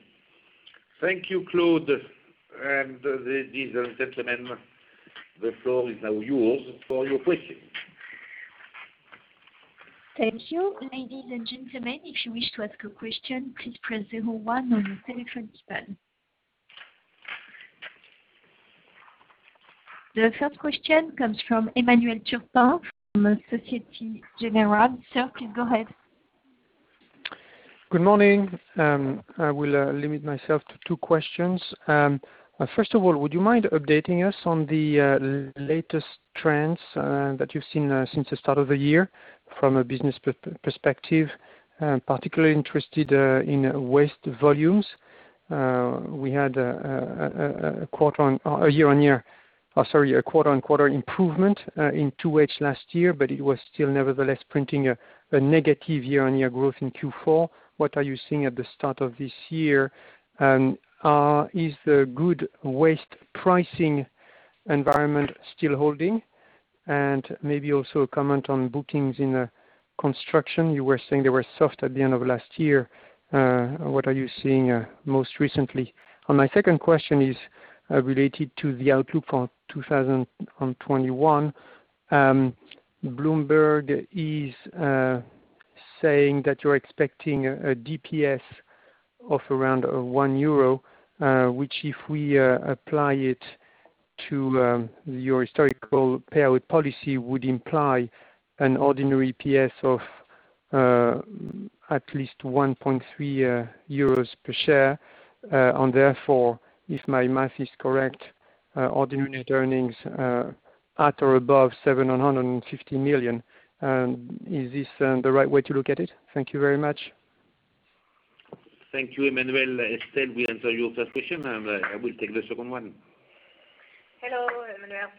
A: Thank you, Claude. Ladies and gentlemen, the floor is now yours for your questions.
E: Thank you, ladies and gentlemen, if you wish to ask a question, please press zero one on your telephone keypad. The first question comes from Emmanuel Turpin from Societe Generale. Sir, please go ahead.
F: Good morning, I will limit myself to two questions. First of all, would you mind updating us on the latest trends that you've seen since the start of the year from a business perspective? I'm particularly interested in waste volumes. We had a quarter-over-quarter improvement in 2H last year, it was still nevertheless printing a negative year-over-year growth in Q4. What are you seeing at the start of this year? Is the good waste pricing environment still holding? Maybe also a comment on bookings in construction. You were saying they were soft at the end of last year. What are you seeing most recently? My second question is related to the outlook for 2021. Bloomberg is saying that you're expecting a DPS of around 1 euro, which if we apply it to your historical payout policy, would imply an ordinary EPS of at least 1.3 euros per share. Therefore, if my math is correct, ordinary earnings at or above 750 million. Is this the right way to look at it? Thank you very much.
A: Thank you, Emmanuel. Estelle will answer your first question, and I will take the second one.
B: Hello, Emmanuel.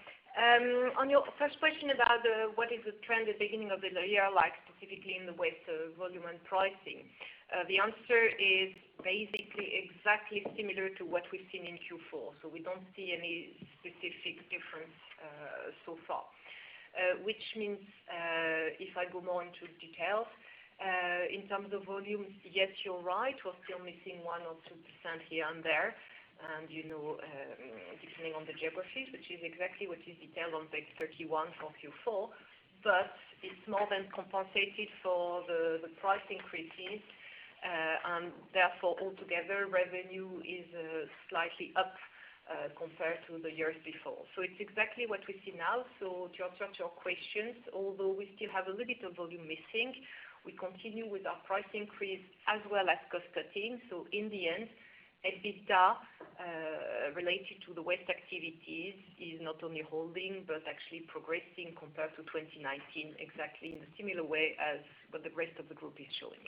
B: On your first question about what is the trend at the beginning of the year like, specifically in the waste volume and pricing. The answer is basically exactly similar to what we've seen in Q4. We don't see any specific difference so far. Which means, if I go more into details, in terms of volumes, yes, you're right, we're still missing 1% or 2% here and there, and depending on the geographies, which is exactly what is detailed on page 31 for Q4, but it's more than compensated for the price increases. Therefore altogether, revenue is slightly up compared to the years before. It's exactly what we see now. To answer your questions, although we still have a little bit of volume missing, we continue with our price increase as well as cost cutting. In the end, EBITDA, related to the waste activities, is not only holding but actually progressing compared to 2019, exactly in a similar way as what the rest of the group is showing.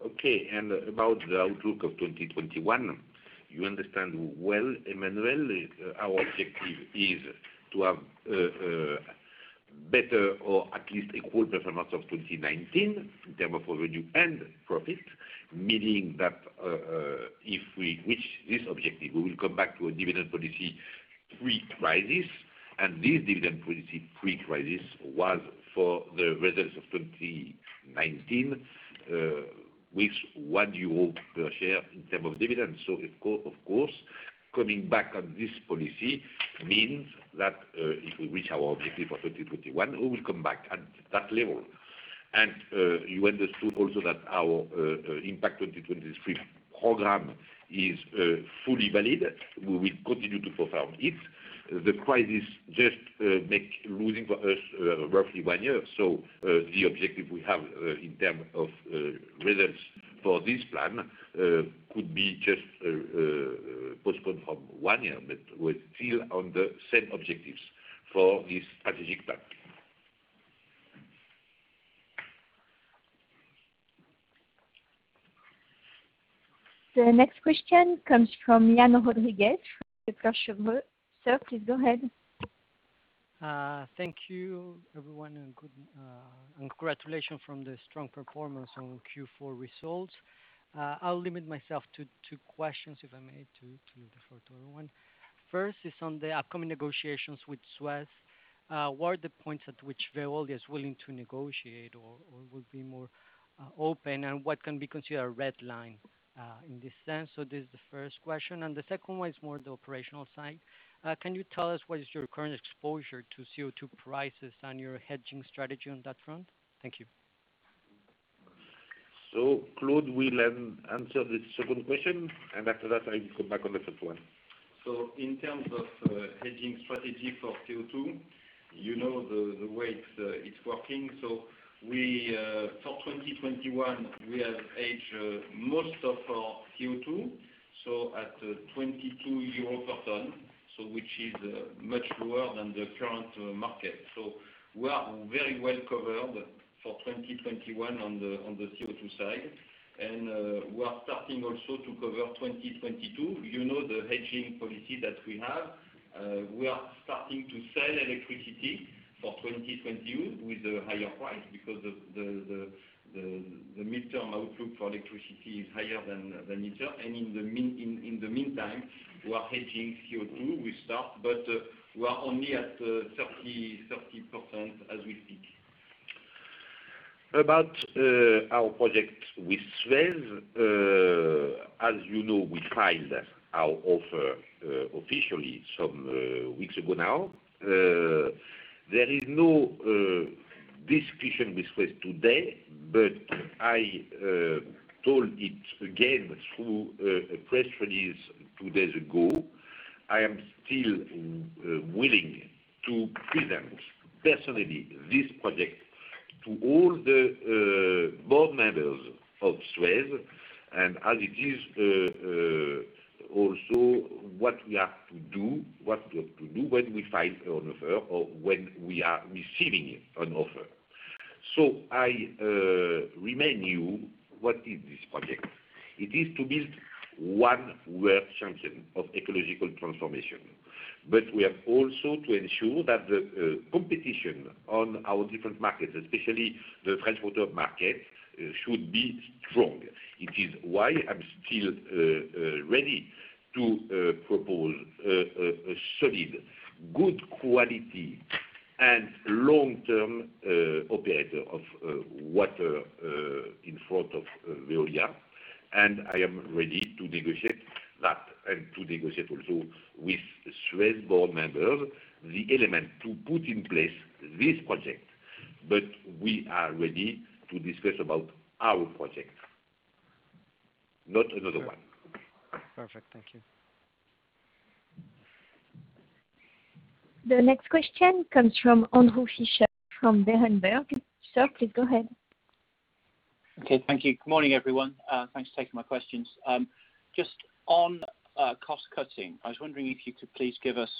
A: Okay, about the outlook of 2021, you understand well, Emmanuel, our objective is to have better, or at least equal performance of 2019 in terms of revenue and profit, meaning that if we reach this objective, we will come back to a dividend policy pre-crisis. This dividend policy pre-crisis was for the results of 2019, with 1 euro per share in terms of dividends. Of course, coming back on this policy means that if we reach our objective for 2021, we will come back at that level. You understood also that our Impact 2023 program is fully valid. We will continue to perform it. The crisis just make losing for us roughly one year. The objective we have in terms of results for this plan could be just postponed from one year, but we're still on the same objectives for this strategic plan.
E: The next question comes from Juan Rodriguez from Kepler Cheuvreux. Sir, please go ahead.
G: Thank you, everyone, and congratulations from the strong performance on Q4 results. I'll limit myself to two questions, if I may, to afford other one. First is on the upcoming negotiations with Suez. What are the points at which Veolia is willing to negotiate or will be more open, and what can be considered a red line in this sense? This is the first question, and the second one is more the operational side. Can you tell us what is your current exposure to CO2 prices and your hedging strategy on that front? Thank you.
A: Claude will answer the second question, and after that, I will come back on the third one.
D: In terms of hedging strategy for CO2, you know the way it's working. For 2021, we have hedged most of our CO2, at 22 euros per ton, which is much lower than the current market. We are very well covered for 2021 on the CO2 side. We are starting also to cover 2022. You know the hedging policy that we have. We are starting to sell electricity for 2022 with a higher price because the midterm outlook for electricity is higher than usual. In the meantime, we are hedging CO2. We start, but we are only at 30% as we speak.
A: About our project with Suez. As you know, we filed our offer officially some weeks ago now. There is no discussion with Suez today, but I told it again through a press release two days ago, I am still willing to present personally this project to all the board members of Suez, and as it is also what we have to do when we file an offer or when we are receiving an offer. I remind you what is this project. It is to build one world champion of ecological transformation, but we have also to ensure that the competition on our different markets, especially the transporter market, should be strong. It is why I'm still ready to propose a solid, good quality, and long-term operator of water in front of Veolia. I am ready to negotiate that and to negotiate also with Suez board members the element to put in place this project. We are ready to discuss about our project, not another one.
G: Perfect, thank you.
E: The next question comes from Andrew Fisher from Berenberg. Sir, please go ahead.
H: Okay, thank you. Good morning, everyone. Thanks for taking my questions. Just on cost-cutting, I was wondering if you could please give us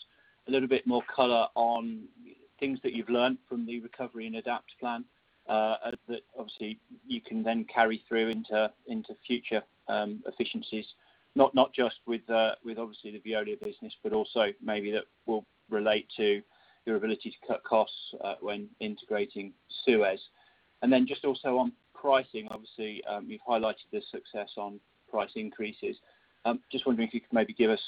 H: a little bit more color on things that you've learned from the Recover and Adapt plan, that obviously you can then carry through into future efficiencies, not just with obviously the Veolia business, but also maybe that will relate to your ability to cut costs when integrating Suez. Then just also on pricing, obviously, you've highlighted the success on price increases. Just wondering if you could maybe give us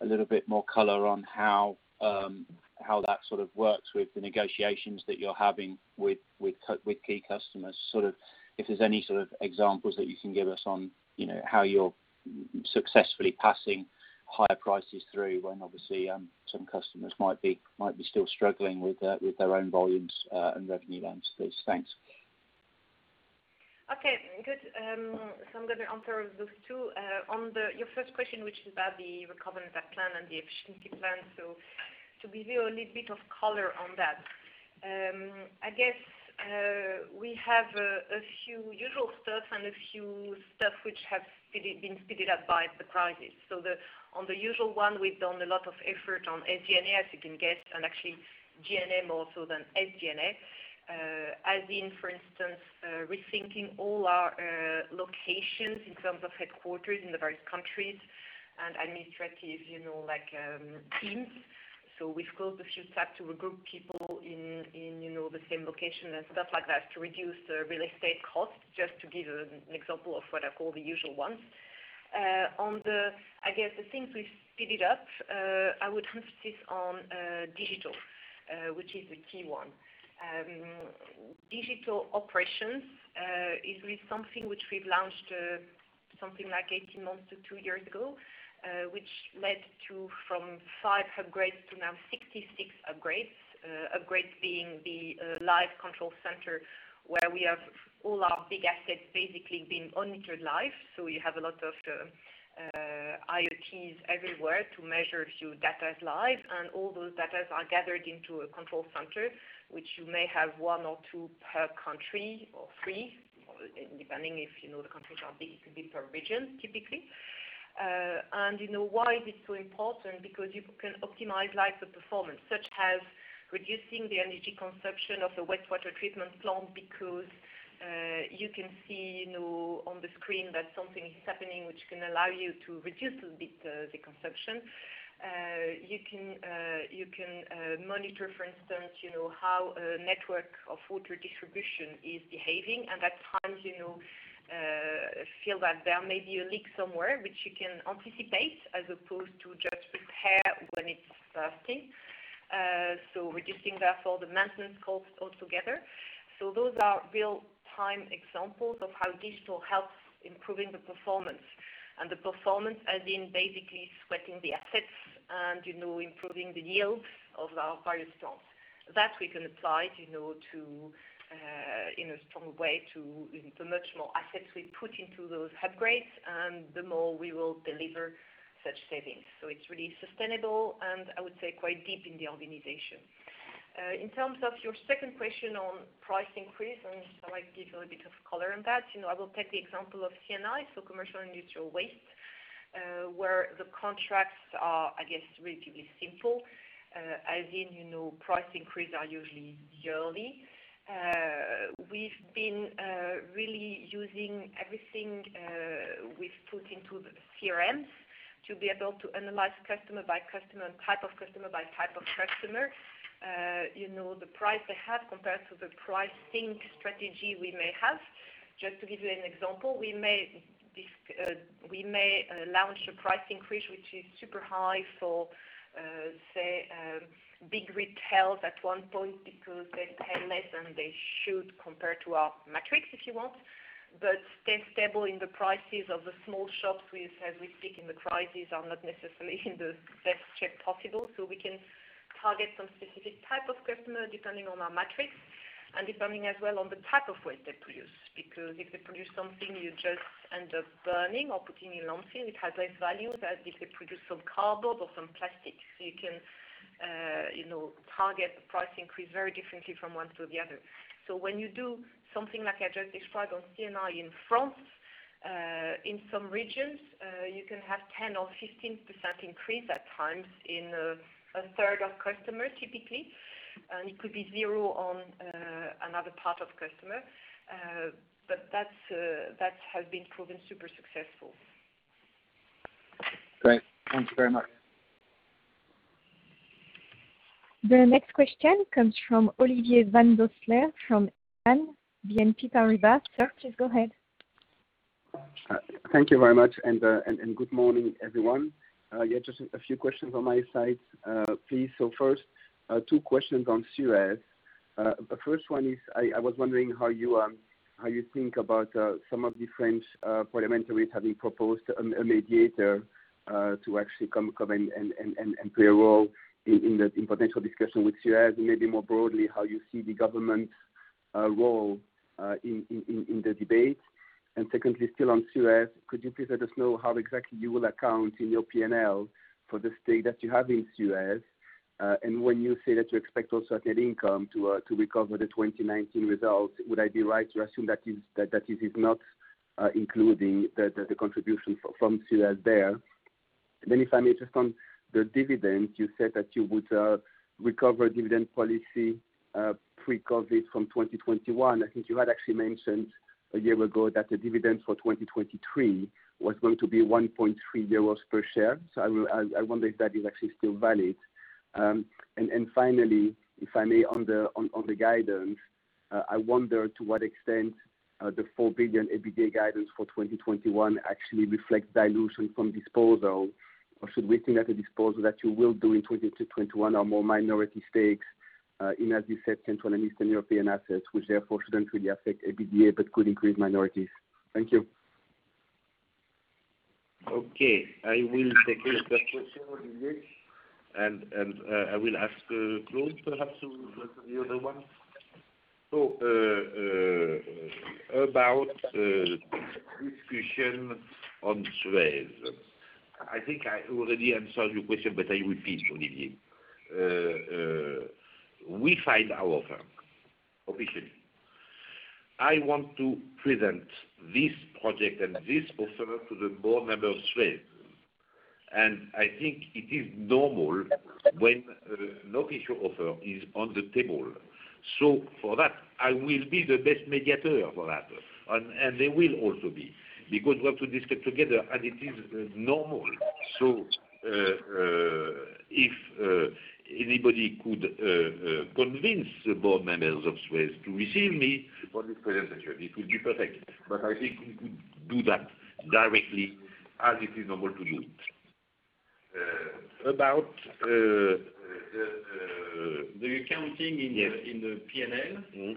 H: a little bit more color on how that sort of works with the negotiations that you're having with key customers, sort of if there's any sort of examples that you can give us on how you're successfully passing higher prices through when obviously some customers might be still struggling with their own volumes and revenue advances? Thanks.
B: Okay, good. I'm going to answer those two. On your first question, which is about the Recover and Adapt plan and the efficiency plan. To give you a little bit of color on that, I guess, we have a few usual stuff and a few stuff which have been speeded up by the crisis. On the usual one, we've done a lot of effort on SG&A, as you can guess, and actually G&A more so than SG&A. As in, for instance, rethinking all our locations in terms of headquarters in the various countries and administrative teams. We've closed a few sites to regroup people in the same location and stuff like that to reduce real estate costs, just to give you an example of what I call the usual ones. On the, I guess, the things we've speeded up, I would emphasize on digital, which is a key one. Digital operations is really something which we've launched something like 18 months to two years ago, which led to from five Hubgrades to now 66 Hubgrades. Hubgrades being the live control center where we have all our big assets basically being monitored live. We have a lot of IoTs everywhere to measure a few datas live, and all those datas are gathered into a control center, which you may have one or two per country or three, depending if the countries are big, it could be per region, typically. Why is it so important? You can optimize live the performance, such as reducing the energy consumption of the wastewater treatment plant, because you can see on the screen that something is happening which can allow you to reduce a bit the consumption. You can monitor, for instance, how a network of water distribution is behaving and at times feel that there may be a leak somewhere, which you can anticipate as opposed to just repair when it's bursting. Reducing, therefore, the maintenance cost altogether. Those are real-time examples of how digital help improving the performance, and the performance as in basically sweating the assets and improving the yield of our various plants. We can apply in a strong way to much more assets we put into those Hubgrades, and the more we will deliver such savings. It's really sustainable, and I would say quite deep in the organization. In terms of your second question on price increase, I might give a little bit of color on that. I will take the example of C&I, so commercial and industrial waste, where the contracts are, I guess, relatively simple, as in price increases are usually yearly. We've been really using everything we've put into the CRM to be able to analyze customer by customer, and type of customer by type of customer. The price they have compared to the pricing strategy we may have. Just to give you an example, we may launch a price increase, which is super high for, say, big retails at one point because they pay less than they should compared to our metrics, if you want. They're stable in the prices of the small shops with, as we speak, and the prices are not necessarily in the best shape possible. We can target some specific type of customer, depending on our metrics, and depending as well on the type of waste they produce. If they produce something you just end up burning or putting in landfill, it has less value than if they produce some cardboard or some plastic. You can target a price increase very differently from one to the other. When you do something like I just described on C&I in France, in some regions, you can have 10% or 15% increase at times in 1/3 of customers, typically. It could be zero on another part of customer. That has been proven super successful.
H: Great, thank you very much.
E: The next question comes from Olivier van Doosselaere from BNP Paribas. Sir, please go ahead.
I: Thank you very much, and good morning, everyone. Just a few questions on my side, please. First, two questions on Suez. The first one is, I was wondering how you think about some of the French parliamentaries having proposed a mediator to actually come in and play a role in potential discussion with Suez, and maybe more broadly, how you see the government's role in the debate. Secondly, still on Suez, could you please let us know how exactly you will account in your P&L for the stake that you have in Suez? When you say that you expect also net income to recover the 2019 results, would I be right to assume that it is not including the contribution from Suez there? Then if I may, just on the dividend, you said that you would recover dividend policy pre-COVID from 2021. I think you had actually mentioned a year ago that the dividend for 2023 was going to be 1.3 euros per share. I wonder if that is actually still valid. Finally, if I may, on the guidance, I wonder to what extent the 4 billion EBITDA guidance for 2021 actually reflects dilution from disposal, or should we think that the disposal that you will do in 2021 are more minority stakes in, as you said, Central and Eastern European assets, which therefore shouldn't really affect EBITDA but could increase minorities? Thank you.
A: Okay. I will take the first question, Olivier. I will ask Claude perhaps to answer the other one. About this question on Suez, I think I already answered your question. I repeat, Olivier. We filed our offer officially. I want to present this project and this offer to the board members Suez. I think it is normal when no official offer is on the table. For that, I will be the best mediator for that. They will also be, because we have to discuss together. It is normal. If anybody could convince the board members of Suez to receive me for this presentation, it would be perfect. I think we could do that directly as it is normal to do it.
D: About the accounting in the P&L,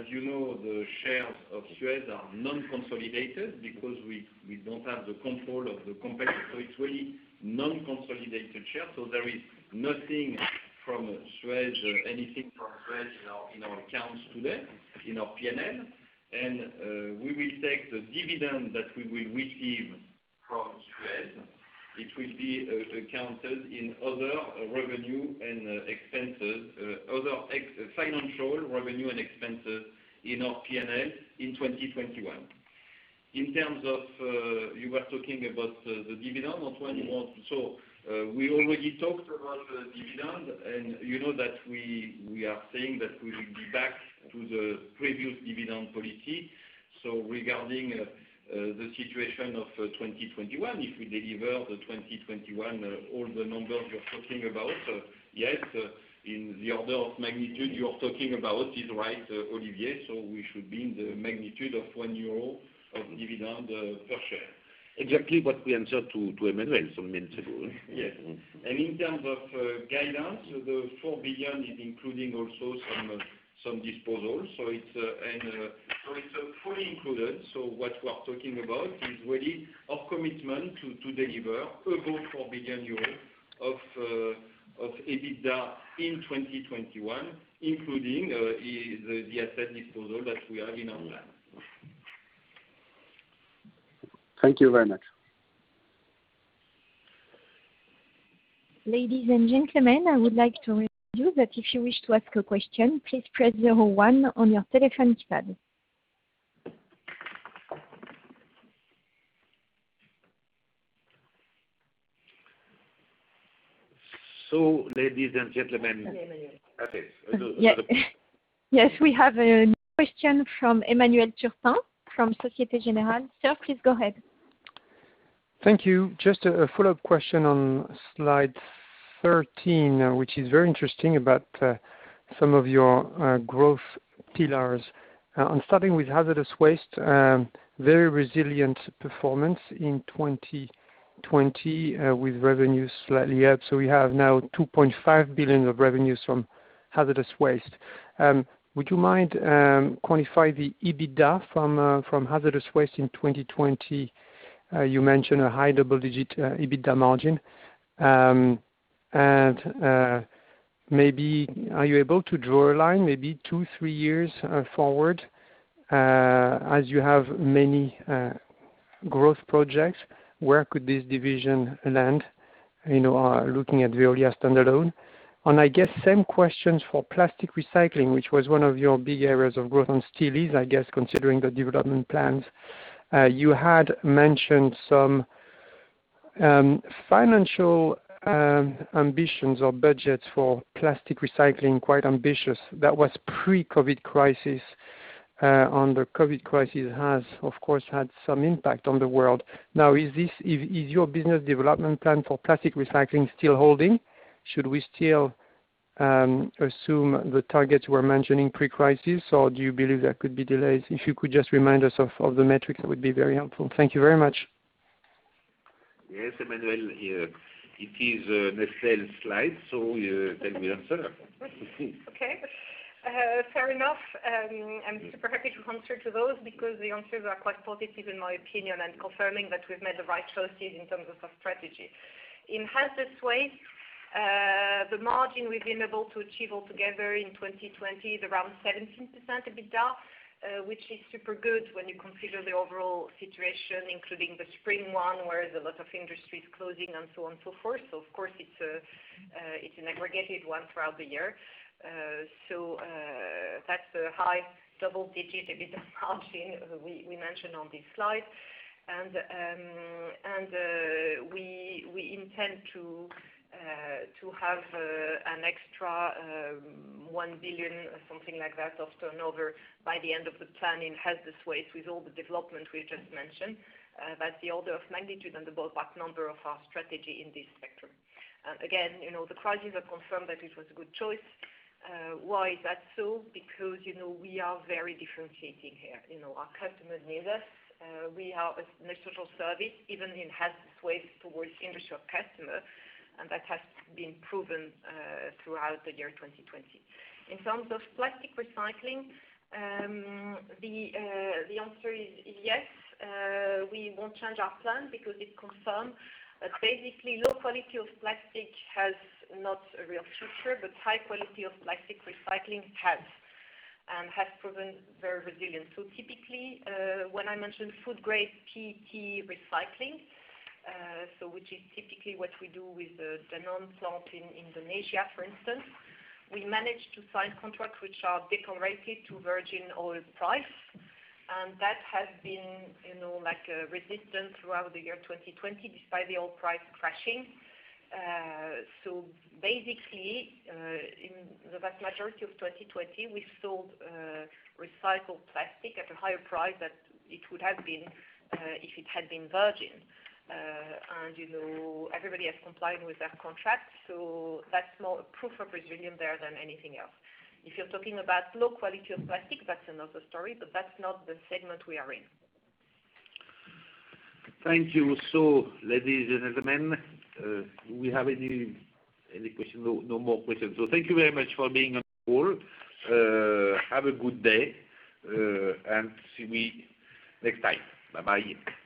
D: as you know, the shares of Suez are non-consolidated because we don't have the control of the company, so it's really non-consolidated shares. There is nothing from Suez, anything from Suez in our accounts today, in our P&L, and we will take the dividend that we will receive from Suez. It will be accounted in other revenue and expenses, other financial revenue and expenses in our P&L in 2021. In terms of, you were talking about the dividend of 2021. We already talked about the dividend, and you know that we are saying that we will be back to the previous dividend policy. Regarding the situation of 2021, if we deliver the 2021, all the numbers you're talking about, yes, in the order of magnitude you're talking about is right, Olivier. We should be in the magnitude of 1 euro of dividend per share.
A: Yes, exactly what we answered to Emmanuel some minutes ago.
D: Yes. In terms of guidance, the 4 billion is including also some disposals. It's fully included. What we are talking about is really our commitment to deliver above 4 billion euros of EBITDA in 2021, including the asset disposal that we have in our plan.
I: Thank you very much.
E: Ladies and gentlemen, I would like to remind you that if you wish to ask a question, please press zero one on your telephone keypad.
A: Ladies and gentlemen-
B: Emmanuel?
A: Okay.
E: Yes. We have a question from Emmanuel Turpin from Societe Generale. Sir, please go ahead.
F: Thank you. Just a follow-up question on slide 13, which is very interesting about some of your growth pillars. Starting with hazardous waste, very resilient performance in 2020 with revenues slightly up. We have now 2.5 billion of revenues from hazardous waste. Would you mind quantifying the EBITDA from hazardous waste in 2020? You mentioned a high double-digit EBITDA margin. Maybe are you able to draw a line, maybe two, three years forward, as you have many growth projects, where could this division land, looking at Veolia standalone? I guess same questions for plastic recycling, which was one of your big areas of growth, and still is, I guess, considering the development plans. You had mentioned some financial ambitions or budgets for plastic recycling, quite ambitious. That was pre-COVID crisis, and the COVID crisis has, of course, had some impact on the world. Now, is your business development plan for plastic recycling still holding? Should we still assume the targets you were mentioning pre-crisis, or do you believe there could be delays? If you could just remind us of the metrics, that would be very helpful. Thank you very much.
A: Yes, Emmanuel, it is Estelle's slide, so tell him the answer.
B: Okay, fair enough. I'm super happy to answer to those because the answers are quite positive in my opinion and confirming that we've made the right choices in terms of our strategy. In hazardous waste, the margin we've been able to achieve altogether in 2020 is around 17% EBITDA, which is super good when you consider the overall situation, including the spring one, where there's a lot of industries closing and so on and so forth. Of course, it's an aggregated one throughout the year. That's a high double-digit EBITDA margin we mention on this slide. We intend to have an extra 1 billion or something like that of turnover by the end of the plan in hazardous waste with all the development we've just mentioned. That's the order of magnitude and the ballpark number of our strategy in this spectrum. The crisis has confirmed that it was a good choice. Why is that so? We are very differentiating here. Our customers need us. We are an essential service, even in hazardous waste towards industrial customer, that has been proven throughout the year 2020. In terms of plastic recycling, the answer is yes, we won't change our plan because it confirms that basically low quality of plastic has not a real future, but high quality of plastic recycling has, and has proven very resilient. Typically, when I mention food grade PET recycling, which is typically what we do with the Danone plant in Indonesia, for instance, we managed to sign contracts which are decorrelated to virgin oil price, and that has been resistant throughout the year 2020, despite the oil price crashing. Basically, in the vast majority of 2020, we sold recycled plastic at a higher price than it would have been if it had been virgin. Everybody has complied with that contract, so that's more a proof of resilience there than anything else. If you're talking about low quality of plastic, that's another story, but that's not the segment we are in.
A: Thank you. Ladies and gentlemen, do we have any questions? No, no more questions. Thank you very much for being on the call. Have a good day, and see me next time. Bye-bye.